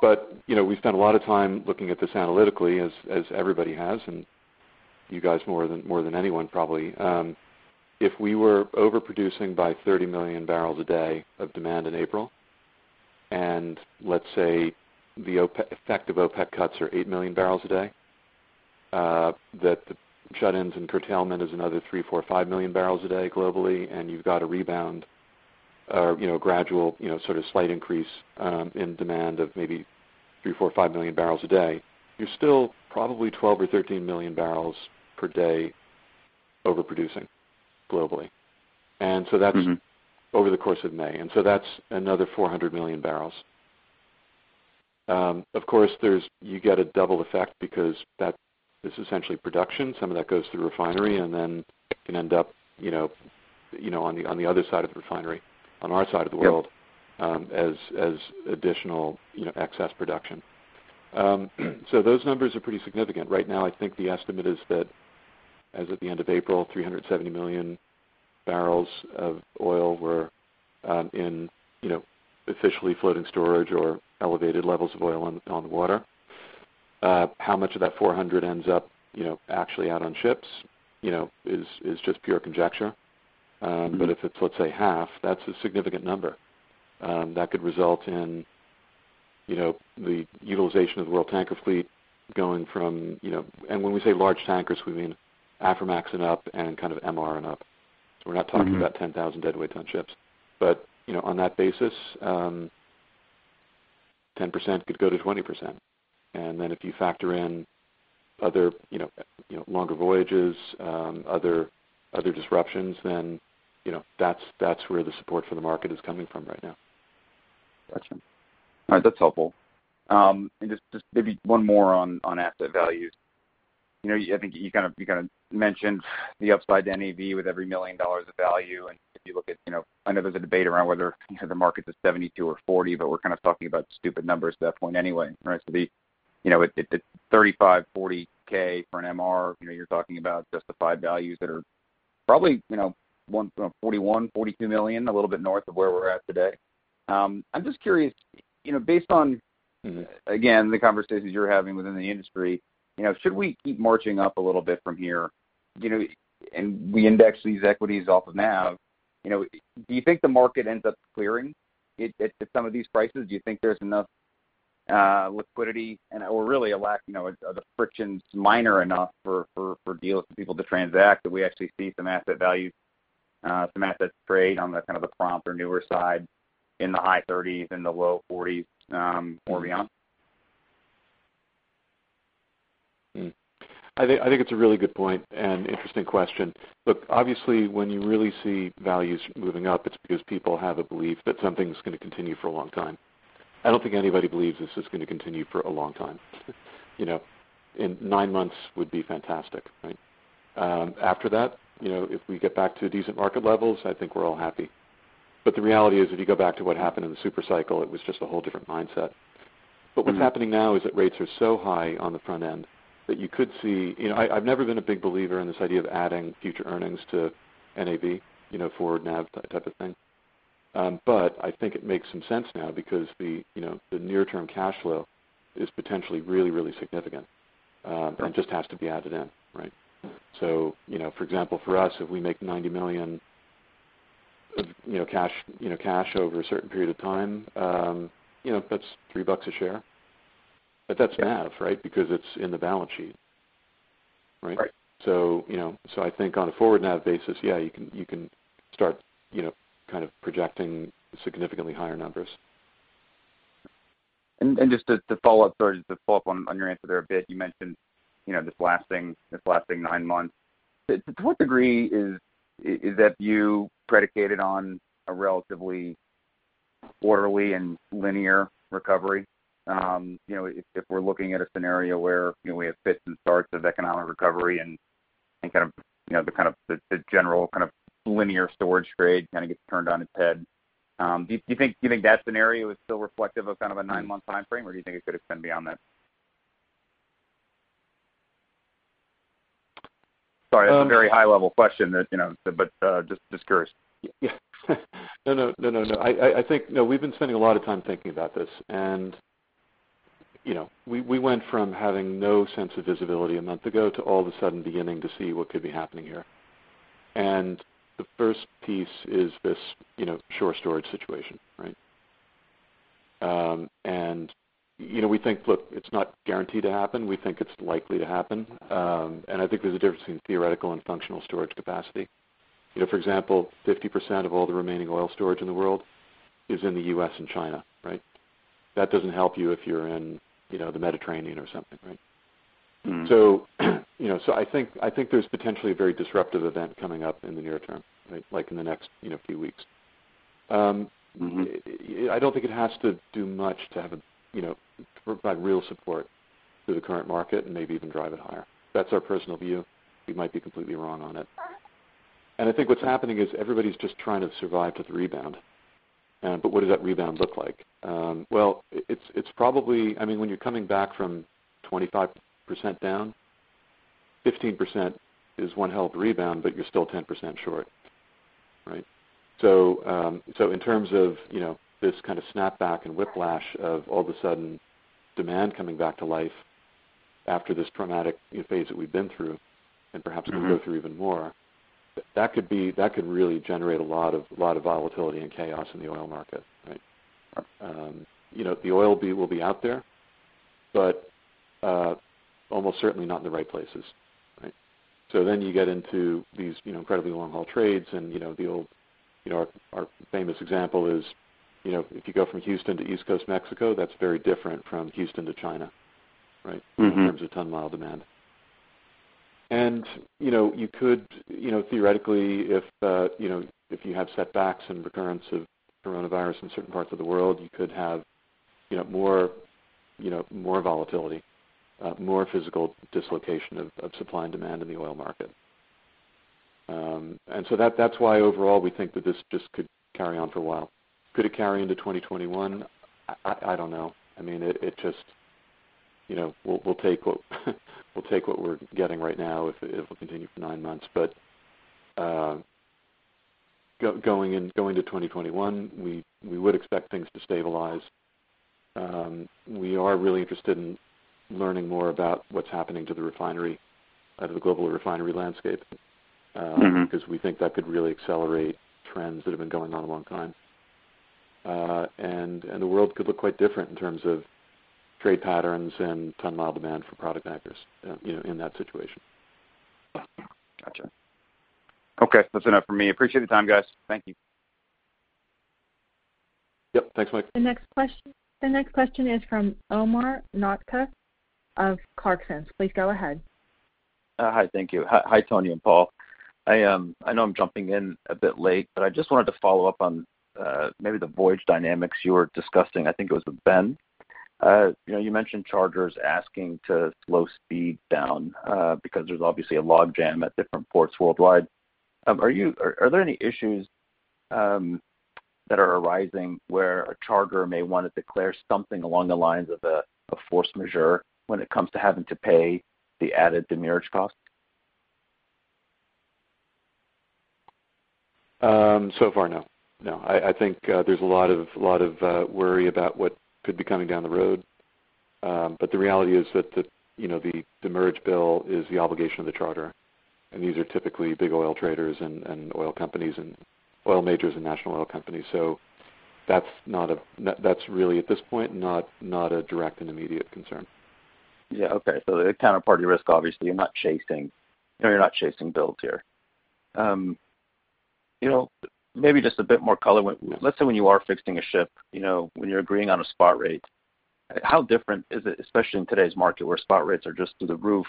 But, you know, we spent a lot of time looking at this analytically as, as everybody has, and you guys more than more than anyone probably. If we were overproducing by 30 million barrels a day of demand in April and let's say the OPEC effective OPEC cuts are 8 million barrels a day, that the shut-ins and curtailment is another 3 million-5 million barrels a day globally, and you've got a rebound or, you know, a gradual, you know, sort of slight increase, in demand of maybe 3 million-5 million barrels a day, you're still probably 12 million or 13 million barrels per day overproducing globally. And so that's. Mm-hmm. Over the course of May. And so that's another 400 million barrels. Of course, there's you get a double effect because that is essentially production. Some of that goes through refinery, and then can end up, you know, you know, on the other side of the refinery, on our side of the world. Yeah. As additional, you know, excess production. So those numbers are pretty significant. Right now, I think the estimate is that as of the end of April, 370 million barrels of oil were in, you know, officially floating storage or elevated levels of oil on the water. How much of that 400 million ends up, you know, actually out on ships, you know, is just pure conjecture. Mm-hmm. But if it's, let's say, half, that's a significant number. That could result in, you know, the utilization of the world tanker fleet going from, you know and when we say large tankers, we mean Aframax and up and kind of MR and up. So we're not talking. Mm-hmm. About 10,000 deadweight-ton ships. But, you know, on that basis, 10% could go to 20%. And then if you factor in other, you know, you know, longer voyages, other, other disruptions, then, you know, that's, that's where the support for the market is coming from right now. Gotcha. All right. That's helpful. Just, just maybe one more on asset values. You know, I think you kind of mentioned the upside to NAV with every $1 million of value. If you look at, you know I know there's a debate around whether, you know, the market's at $72 or $40, but we're kind of talking about stupid numbers at that point anyway, right? So, you know, at $35,000-$40,000 for an MR, you know, you're talking about justified values that are probably, you know, $41 million-$42 million, a little bit north of where we're at today. I'm just curious, you know, based on. Mm-hmm. Again, the conversations you're having within the industry, you know, should we keep marching up a little bit from here? You know, and we index these equities off of NAV. You know, do you think the market ends up clearing it at some of these prices? Do you think there's enough liquidity and/or really a lack, you know, of the friction's minor enough for dealers and people to transact that we actually see some asset values, some assets trade on the kind of the prompt or newer side in the high 30s and the low 40s, or beyond? I think it's a really good point and interesting question. Look, obviously, when you really see values moving up, it's because people have a belief that something's gonna continue for a long time. I don't think anybody believes this is gonna continue for a long time, you know. And nine months would be fantastic, right? After that, you know, if we get back to decent market levels, I think we're all happy. But the reality is if you go back to what happened in the supercycle, it was just a whole different mindset. But what's happening now is that rates are so high on the front end that you could see you know, I, I've never been a big believer in this idea of adding future earnings to NAV, you know, forward NAV type of thing. but I think it makes some sense now because the, you know, the near-term cash flow is potentially really, really significant. Right. Just has to be added in, right? So, you know, for example, for us, if we make $90 million of, you know, cash you know, cash over a certain period of time, you know, that's $3 a share. But that's NAV, right, because it's in the balance sheet, right? Right. So, you know, so I think on a forward NAV basis, yeah, you can you can start, you know, kind of projecting significantly higher numbers. Just to follow up, sorry, just to follow up on your answer there a bit, you mentioned, you know, this lasting nine months. To what degree is that view predicated on a relatively orderly and linear recovery? You know, if we're looking at a scenario where, you know, we have fits and starts of economic recovery and kind of, you know, the general kind of linear storage trade kind of gets turned on its head, do you think that scenario is still reflective of kind of a nine-month timeframe, or do you think it could extend beyond that? Sorry. That's a yeah. Very high-level question that, you know, but just curious. Yeah. No, no. No, no, no. I think no, we've been spending a lot of time thinking about this. And, you know, we went from having no sense of visibility a month ago to all of a sudden beginning to see what could be happening here. And the first piece is this, you know, onshore storage situation, right? And, you know, we think, look, it's not guaranteed to happen. We think it's likely to happen. And I think there's a difference between theoretical and functional storage capacity. You know, for example, 50% of all the remaining oil storage in the world is in the U.S. and China, right? That doesn't help you if you're in, you know, the Mediterranean or something, right? You know, I think there's potentially a very disruptive event coming up in the near term, right, like in the next, you know, few weeks. Mm-hmm. I don't think it has to do much to have a, you know, provide real support to the current market and maybe even drive it higher. That's our personal view. We might be completely wrong on it. And I think what's happening is everybody's just trying to survive to the rebound. But what does that rebound look like? Well, it's, it's probably I mean, when you're coming back from 25% down, 15% is one-half rebound, but you're still 10% short, right? So in terms of, you know, this kind of snapback and whiplash of all of a sudden demand coming back to life after this traumatic, you know, phase that we've been through and perhaps. Mm-hmm. Going through even more, that could really generate a lot of volatility and chaos in the oil market, right? Right. You know, the oil will be out there, but almost certainly not in the right places, right? So then you get into these, you know, incredibly long-haul trades. And, you know, the old you know, our famous example is, you know, if you go from Houston to East Coast Mexico, that's very different from Houston to China, right? Mm-hmm. In terms of ton-mile demand. And, you know, you could, you know, theoretically, if, you know, if you have setbacks and recurrence of coronavirus in certain parts of the world, you could have, you know, more, you know, more volatility, more physical dislocation of supply and demand in the oil market. And so that's why overall, we think that this just could carry on for a while. Could it carry into 2021? I don't know. I mean, it just you know, we'll take what we're getting right now if it will continue for nine months. But going into 2021, we would expect things to stabilize. We are really interested in learning more about what's happening to the refinery, to the global refinery landscape. Mm-hmm. Because we think that could really accelerate trends that have been going on a long time. And the world could look quite different in terms of trade patterns and ton-mile demand for product tankers, you know, in that situation. Gotcha. Okay. That's enough from me. Appreciate the time, guys. Thank you. Yep. Thanks, Mike. The next question is from Omar Nokta of Clarksons. Please go ahead. Hi. Thank you. Hi, Tony and Paul. I know I'm jumping in a bit late, but I just wanted to follow up on, maybe the voyage dynamics you were discussing. I think it was with Ben. You know, you mentioned charterers asking to slow speed down, because there's obviously a log jam at different ports worldwide. Are there any issues that are arising where a charterer may want to declare something along the lines of a force majeure when it comes to having to pay the added demurrage cost? So far, no. No, I think there's a lot of worry about what could be coming down the road. But the reality is that, you know, the demurrage bill is the obligation of the charterer. And these are typically big oil traders and oil companies and oil majors and national oil companies. So that's not an that's really, at this point, not a direct and immediate concern. Yeah. Okay. So the counterparty risk, obviously, you're not chasing, you know, you're not chasing bills here. You know, maybe just a bit more color. Mm-hmm. Let's say when you are fixing a ship, you know, when you're agreeing on a spot rate, how different is it, especially in today's market where spot rates are just through the roof?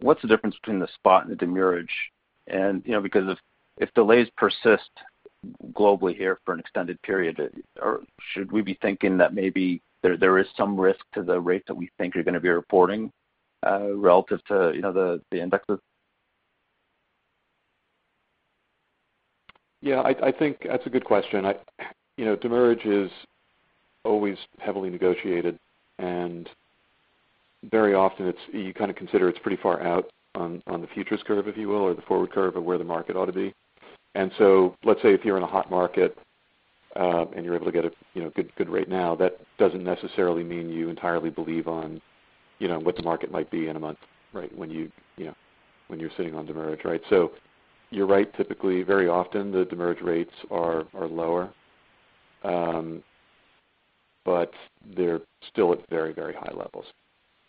What's the difference between the spot and the demurrage? And, you know, because if, if delays persist globally here for an extended period, or should we be thinking that maybe there, there is some risk to the rate that we think you're gonna be reporting, relative to, you know, the, the indexes? Yeah. I, I think that's a good question. I, you know, demurrage is always heavily negotiated. And very often, it's you kind of consider it's pretty far out on, on the futures curve, if you will, or the forward curve of where the market ought to be. And so let's say if you're in a hot market, and you're able to get a, you know, good, good rate now, that doesn't necessarily mean you entirely believe on, you know, what the market might be in a month, right, when you, you know when you're sitting on demurrage, right? So you're right. Typically, very often, the demurrage rates are, are lower. But they're still at very, very high levels.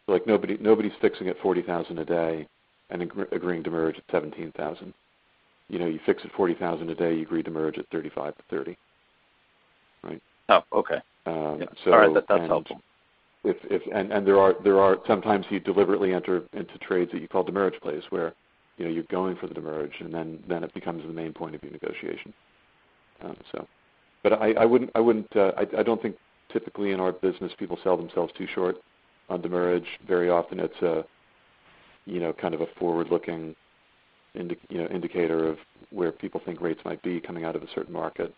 Like, nobody, nobody's fixing at $40,000 a day and agree-agreeing demurrage at $17,000. You know, you fix at $40,000 a day. You agree demurrage at $35,000-$30,000, right? Oh. Okay. So. Yeah. All right. That, that's helpful. And there are sometimes you deliberately enter into trades that you call demurrage plays where, you know, you're going for the demurrage, and then it becomes the main point of your negotiation, so. But I wouldn't, I don't think typically in our business, people sell themselves too short on demurrage. Very often, it's a, you know, kind of a forward-looking, you know, indicator of where people think rates might be coming out of a certain market.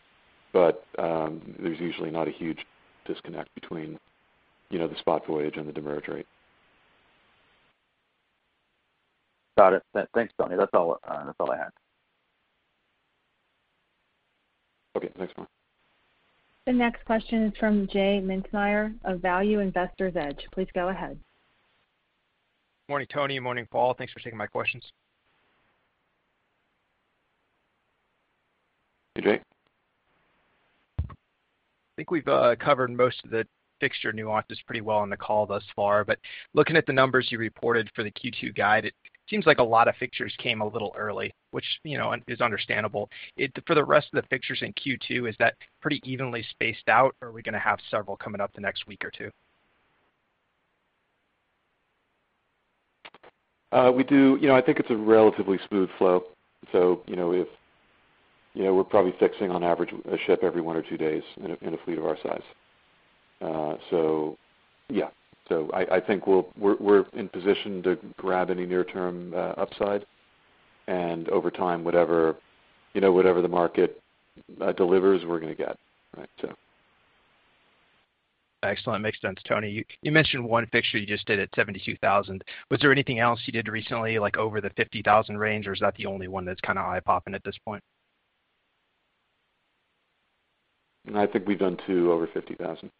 But there's usually not a huge disconnect between, you know, the spot voyage and the demurrage rate. Got it. Thanks, Tony. That's all, that's all I had. Okay. Thanks, Omar. The next question is from J Mintzmyer of Value Investor's Edge. Please go ahead. Morning, Tony. Morning, Paul. Thanks for taking my questions. Hey, J. I think we've covered most of the fixture nuances pretty well in the call thus far. But looking at the numbers you reported for the Q2 guide, it seems like a lot of fixtures came a little early, which, you know, is understandable. It's for the rest of the fixtures in Q2, is that pretty evenly spaced out, or are we gonna have several coming up the next week or two? We do. You know, I think it's a relatively smooth flow. So, you know, if you know, we're probably fixing on average a ship every one or two days in a fleet of our size. So yeah. So I think we're in position to grab any near-term upside. And over time, whatever you know, whatever the market delivers, we're gonna get, right, so. Excellent. Makes sense, Tony. You, you mentioned one fixture you just did at 72,000. Was there anything else you did recently, like, over the 50,000 range, or is that the only one that's kinda eye-popping at this point? I think we've done two over 50,000.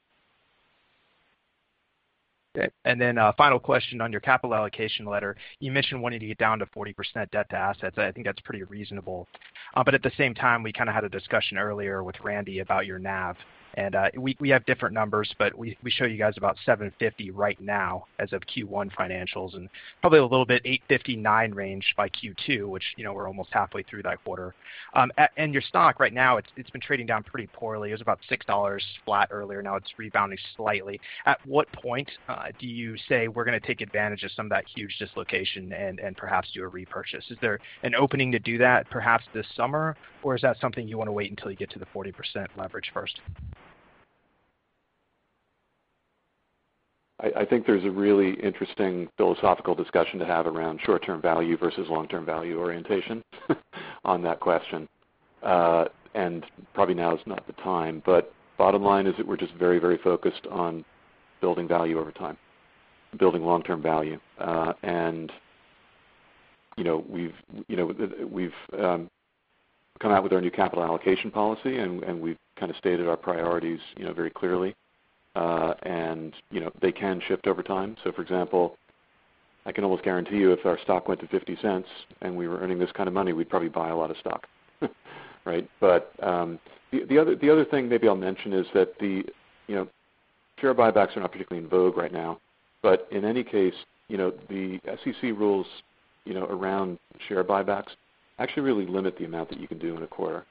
Okay. And then, final question on your capital allocation letter. You mentioned wanting to get down to 40% debt to assets. I think that's pretty reasonable. But at the same time, we kinda had a discussion earlier with Randy about your NAV. And we have different numbers, but we show you guys about $7.50 right now as of Q1 financials and probably a little bit $8.59 range by Q2, which, you know, we're almost halfway through that quarter. And your stock right now, it's been trading down pretty poorly. It was about $6 flat earlier. Now, it's rebounding slightly. At what point do you say we're gonna take advantage of some of that huge dislocation and perhaps do a repurchase? Is there an opening to do that perhaps this summer, or is that something you wanna wait until you get to the 40% leverage first? I think there's a really interesting philosophical discussion to have around short-term value versus long-term value orientation on that question. Probably now is not the time. But bottom line is that we're just very, very focused on building value over time, building long-term value. You know, we've, you know, come out with our new capital allocation policy, and we've kinda stated our priorities, you know, very clearly. You know, they can shift over time. So, for example, I can almost guarantee you if our stock went to $0.50 and we were earning this kinda money, we'd probably buy a lot of stock, right? But the other thing maybe I'll mention is that, you know, share buybacks are not particularly in vogue right now. But in any case, you know, the SEC rules, you know, around share buybacks actually really limit the amount that you can do in a quarter.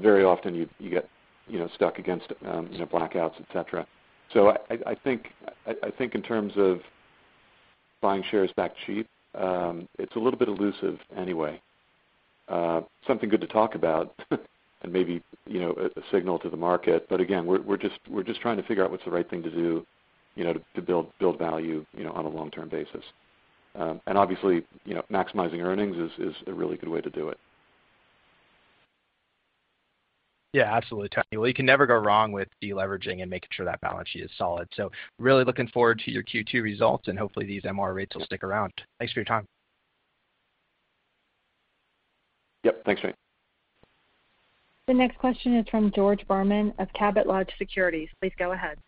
Very often, you get, you know, stuck against, you know, blackouts, etc. So I think in terms of buying shares back cheap, it's a little bit elusive anyway, something good to talk about and maybe, you know, a signal to the market. But again, we're just trying to figure out what's the right thing to do, you know, to build value, you know, on a long-term basis. Obviously, you know, maximizing earnings is a really good way to do it. Yeah. Absolutely, Tony. Well, you can never go wrong with deleveraging and making sure that balance sheet is solid. So really looking forward to your Q2 results, and hopefully, these MR rates will stick around. Thanks for your time. Yep. Thanks, J. The next question is from George Burmann of Cabot Lodge Securities. Please go ahead.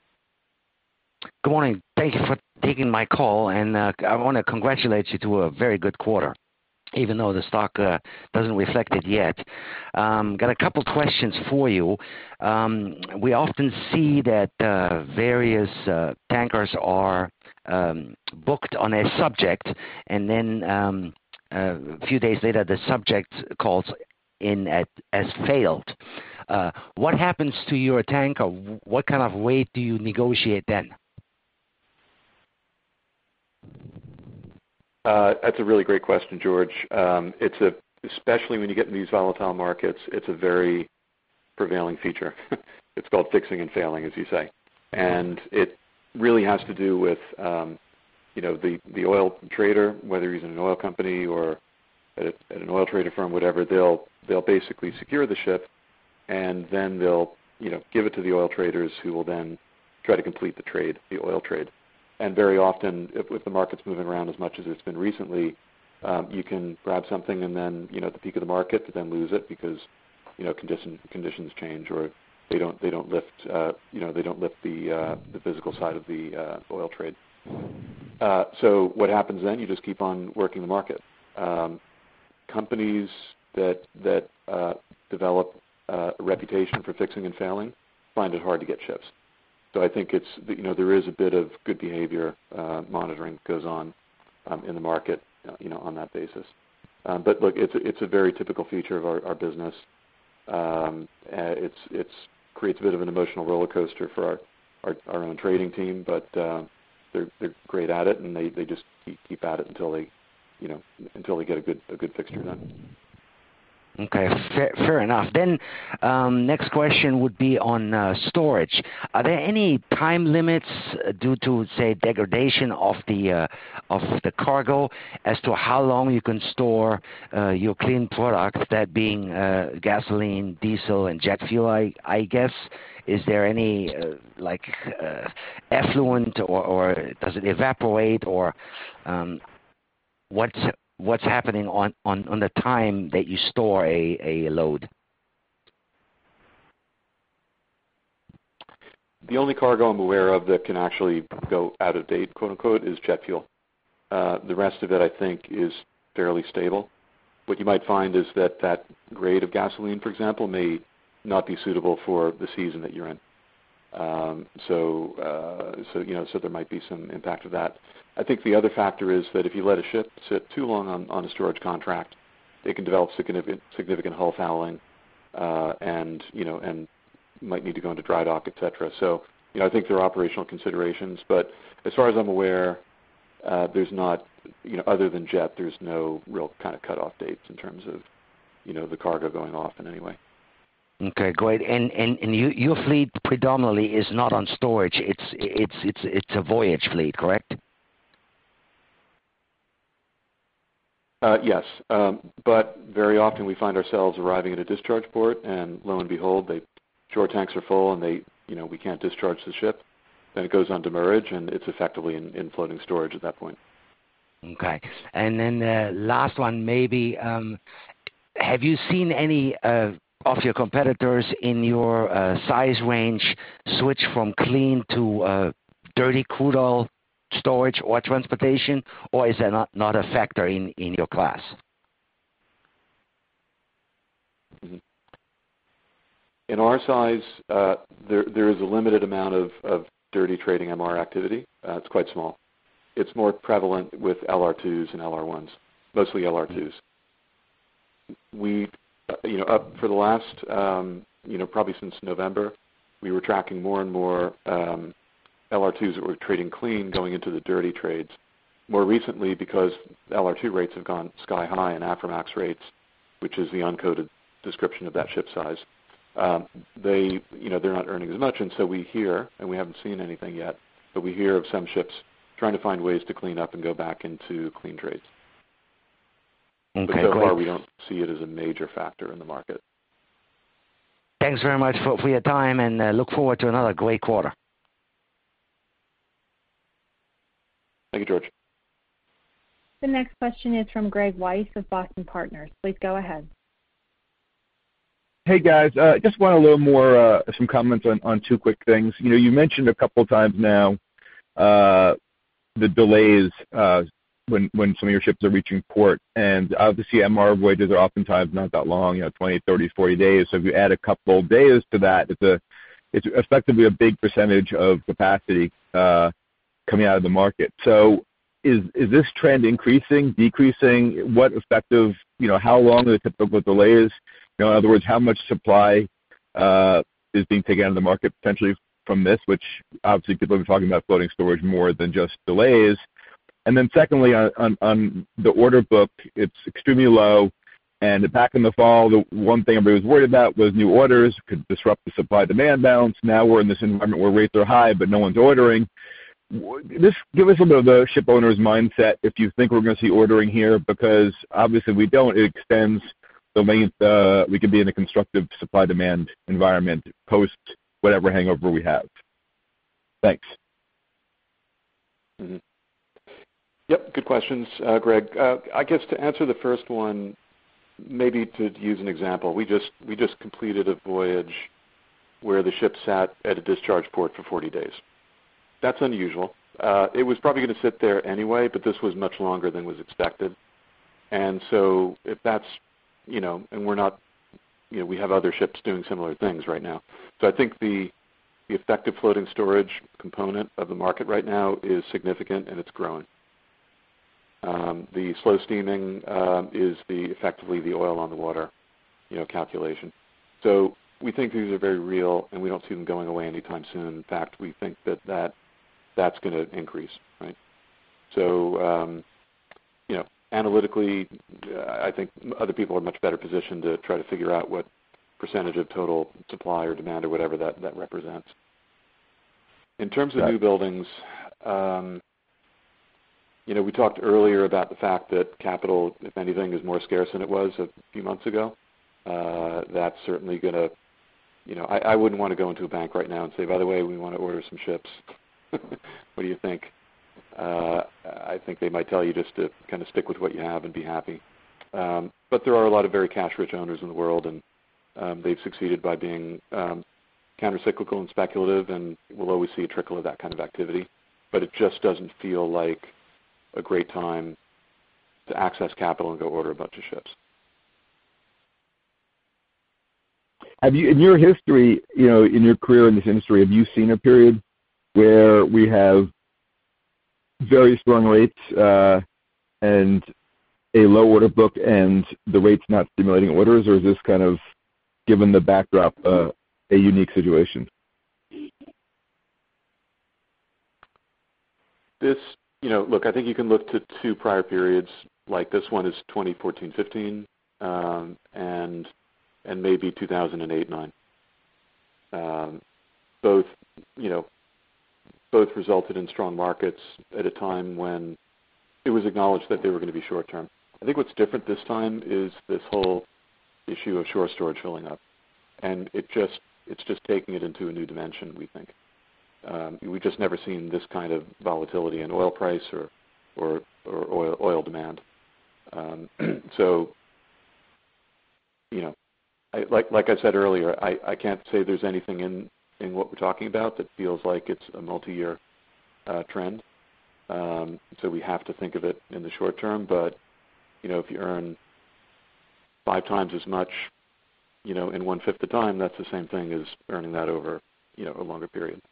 Good morning. Thank you for taking my call. I wanna congratulate you to a very good quarter, even though the stock doesn't reflect it yet. Got a couple questions for you. We often see that various tankers are booked on a subject, and then a few days later, the subject calls in as failed. What happens to your tanker? What kind of weight do you negotiate then? That's a really great question, George. It's especially when you get in these volatile markets, it's a very prevailing feature. It's called fixing and failing, as you say. And it really has to do with, you know, the oil trader, whether he's in an oil company or at an oil trader firm, whatever. They'll basically secure the ship, and then they'll, you know, give it to the oil traders who will then try to complete the trade, the oil trade. And very often, if the market's moving around as much as it's been recently, you can grab something and then, you know, at the peak of the market, then lose it because, you know, conditions change or they don't lift, you know, they don't lift the physical side of the oil trade. So what happens then? You just keep on working the market. Companies that develop a reputation for fixing and failing find it hard to get ships. So I think it's the, you know, there is a bit of good behavior monitoring that goes on in the market, you know, on that basis. But look, it's a very typical feature of our own trading team. But they're great at it, and they just keep at it until they, you know, until they get a good fixture done. Okay. Fair, fair enough. Then, next question would be on storage. Are there any time limits due to, say, degradation of the cargo as to how long you can store your clean products, that being gasoline, diesel, and jet fuel, I guess? Is there any, like, effluent, or does it evaporate, or what's happening on the time that you store a load? The only cargo I'm aware of that can actually go out of date, quote-unquote, is jet fuel. The rest of it, I think, is fairly stable. What you might find is that that grade of gasoline, for example, may not be suitable for the season that you're in. So, so, you know, so there might be some impact of that. I think the other factor is that if you let a ship sit too long on, on a storage contract, it can develop significant, significant hull fouling, and, you know, and might need to go into dry dock, etc. So, you know, I think there are operational considerations. But as far as I'm aware, there's not, you know, other than jet, there's no real kinda cutoff dates in terms of, you know, the cargo going off in any way. Okay. Great. And your fleet predominantly is not on storage. It's a voyage fleet, correct? Yes. But very often, we find ourselves arriving at a discharge port, and lo and behold, their shore tanks are full, and they, you know, we can't discharge the ship. Then it goes on demurrage, and it's effectively in floating storage at that point. Okay. And then, last one maybe. Have you seen any of your competitors in your size range switch from clean to dirty crude oil storage or transportation, or is that not a factor in your class? Mm-hmm. In our size, there is a limited amount of dirty trading MR activity. It's quite small. It's more prevalent with LR2s and LR1s, mostly LR2s. We, you know, up for the last, you know, probably since November, we were tracking more and more LR2s that were trading clean going into the dirty trades. More recently, because LR2 rates have gone sky-high and Aframax rates, which is the uncoated description of that ship size, they, you know, they're not earning as much. And so we hear and we haven't seen anything yet, but we hear of some ships trying to find ways to clean up and go back into clean trades. Okay. But so far, we don't see it as a major factor in the market. Thanks very much for your time, and look forward to another great quarter. Thank you, George. The next question is from Greg Weiss of Boston Partners. Please go ahead. Hey, guys. Just want a little more, some comments on two quick things. You know, you mentioned a couple times now the delays when some of your ships are reaching port. And obviously, MR voyages are oftentimes not that long, you know, 20, 30, 40 days. So if you add a couple days to that, it's effectively a big percentage of capacity coming out of the market. So is this trend increasing, decreasing? What, effectively, you know, how long are the typical delays? You know, in other words, how much supply is being taken out of the market potentially from this, which obviously people have been talking about floating storage more than just delays. And then secondly, on the order book, it's extremely low. Back in the fall, the one thing everybody was worried about was new orders could disrupt the supply-demand balance. Now, we're in this environment where rates are high, but no one's ordering. Will this give us a little bit of the shipowner's mindset if you think we're gonna see ordering here because obviously, we don't. It extends the length, we could be in a constructive supply-demand environment post whatever hangover we have. Thanks. Mm-hmm. Yep. Good questions, Greg. I guess to answer the first one, maybe to use an example, we just we just completed a voyage where the ship sat at a discharge port for 40 days. That's unusual. It was probably gonna sit there anyway, but this was much longer than was expected. And so if that's, you know and we're not you know, we have other ships doing similar things right now. So I think the, the effective floating storage component of the market right now is significant, and it's growing. The slow steaming is effectively the oil-on-the-water, you know, calculation. So we think these are very real, and we don't see them going away anytime soon. In fact, we think that that's gonna increase, right? So, you know, analytically, I, I think other people are much better positioned to try to figure out what percentage of total supply or demand or whatever that, that represents. In terms of new buildings, you know, we talked earlier about the fact that capital, if anything, is more scarce than it was a few months ago. That's certainly gonna, you know, I, I wouldn't wanna go into a bank right now and say, "By the way, we wanna order some ships. What do you think?" I, I think they might tell you just to kinda stick with what you have and be happy. But there are a lot of very cash-rich owners in the world, and, they've succeeded by being, countercyclical and speculative and will always see a trickle of that kind of activity. It just doesn't feel like a great time to access capital and go order a bunch of ships. Have you, in your history, you know, in your career in this industry, have you seen a period where we have very strong rates, and a low order book and the rates not stimulating orders, or is this kind of, given the backdrop, a unique situation? This, you know, look, I think you can look to two prior periods. Like, this one is 2014, 2015, and maybe 2008, 2009. Both, you know, both resulted in strong markets at a time when it was acknowledged that they were gonna be short-term. I think what's different this time is this whole issue of shore storage filling up. And it's just taking it into a new dimension, we think. We've just never seen this kind of volatility in oil price or oil demand. So, you know, like I said earlier, I can't say there's anything in what we're talking about that feels like it's a multi-year trend. So we have to think of it in the short term. But, you know, if you earn five times as much, you know, in one-fifth the time, that's the same thing as earning that over, you know, a longer period.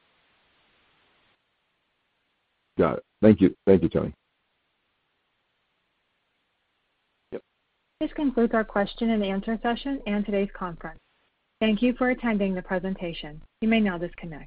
Got it. Thank you. Thank you, Tony. Yep. This concludes our question-and-answer session and today's conference. Thank you for attending the presentation. You may now disconnect.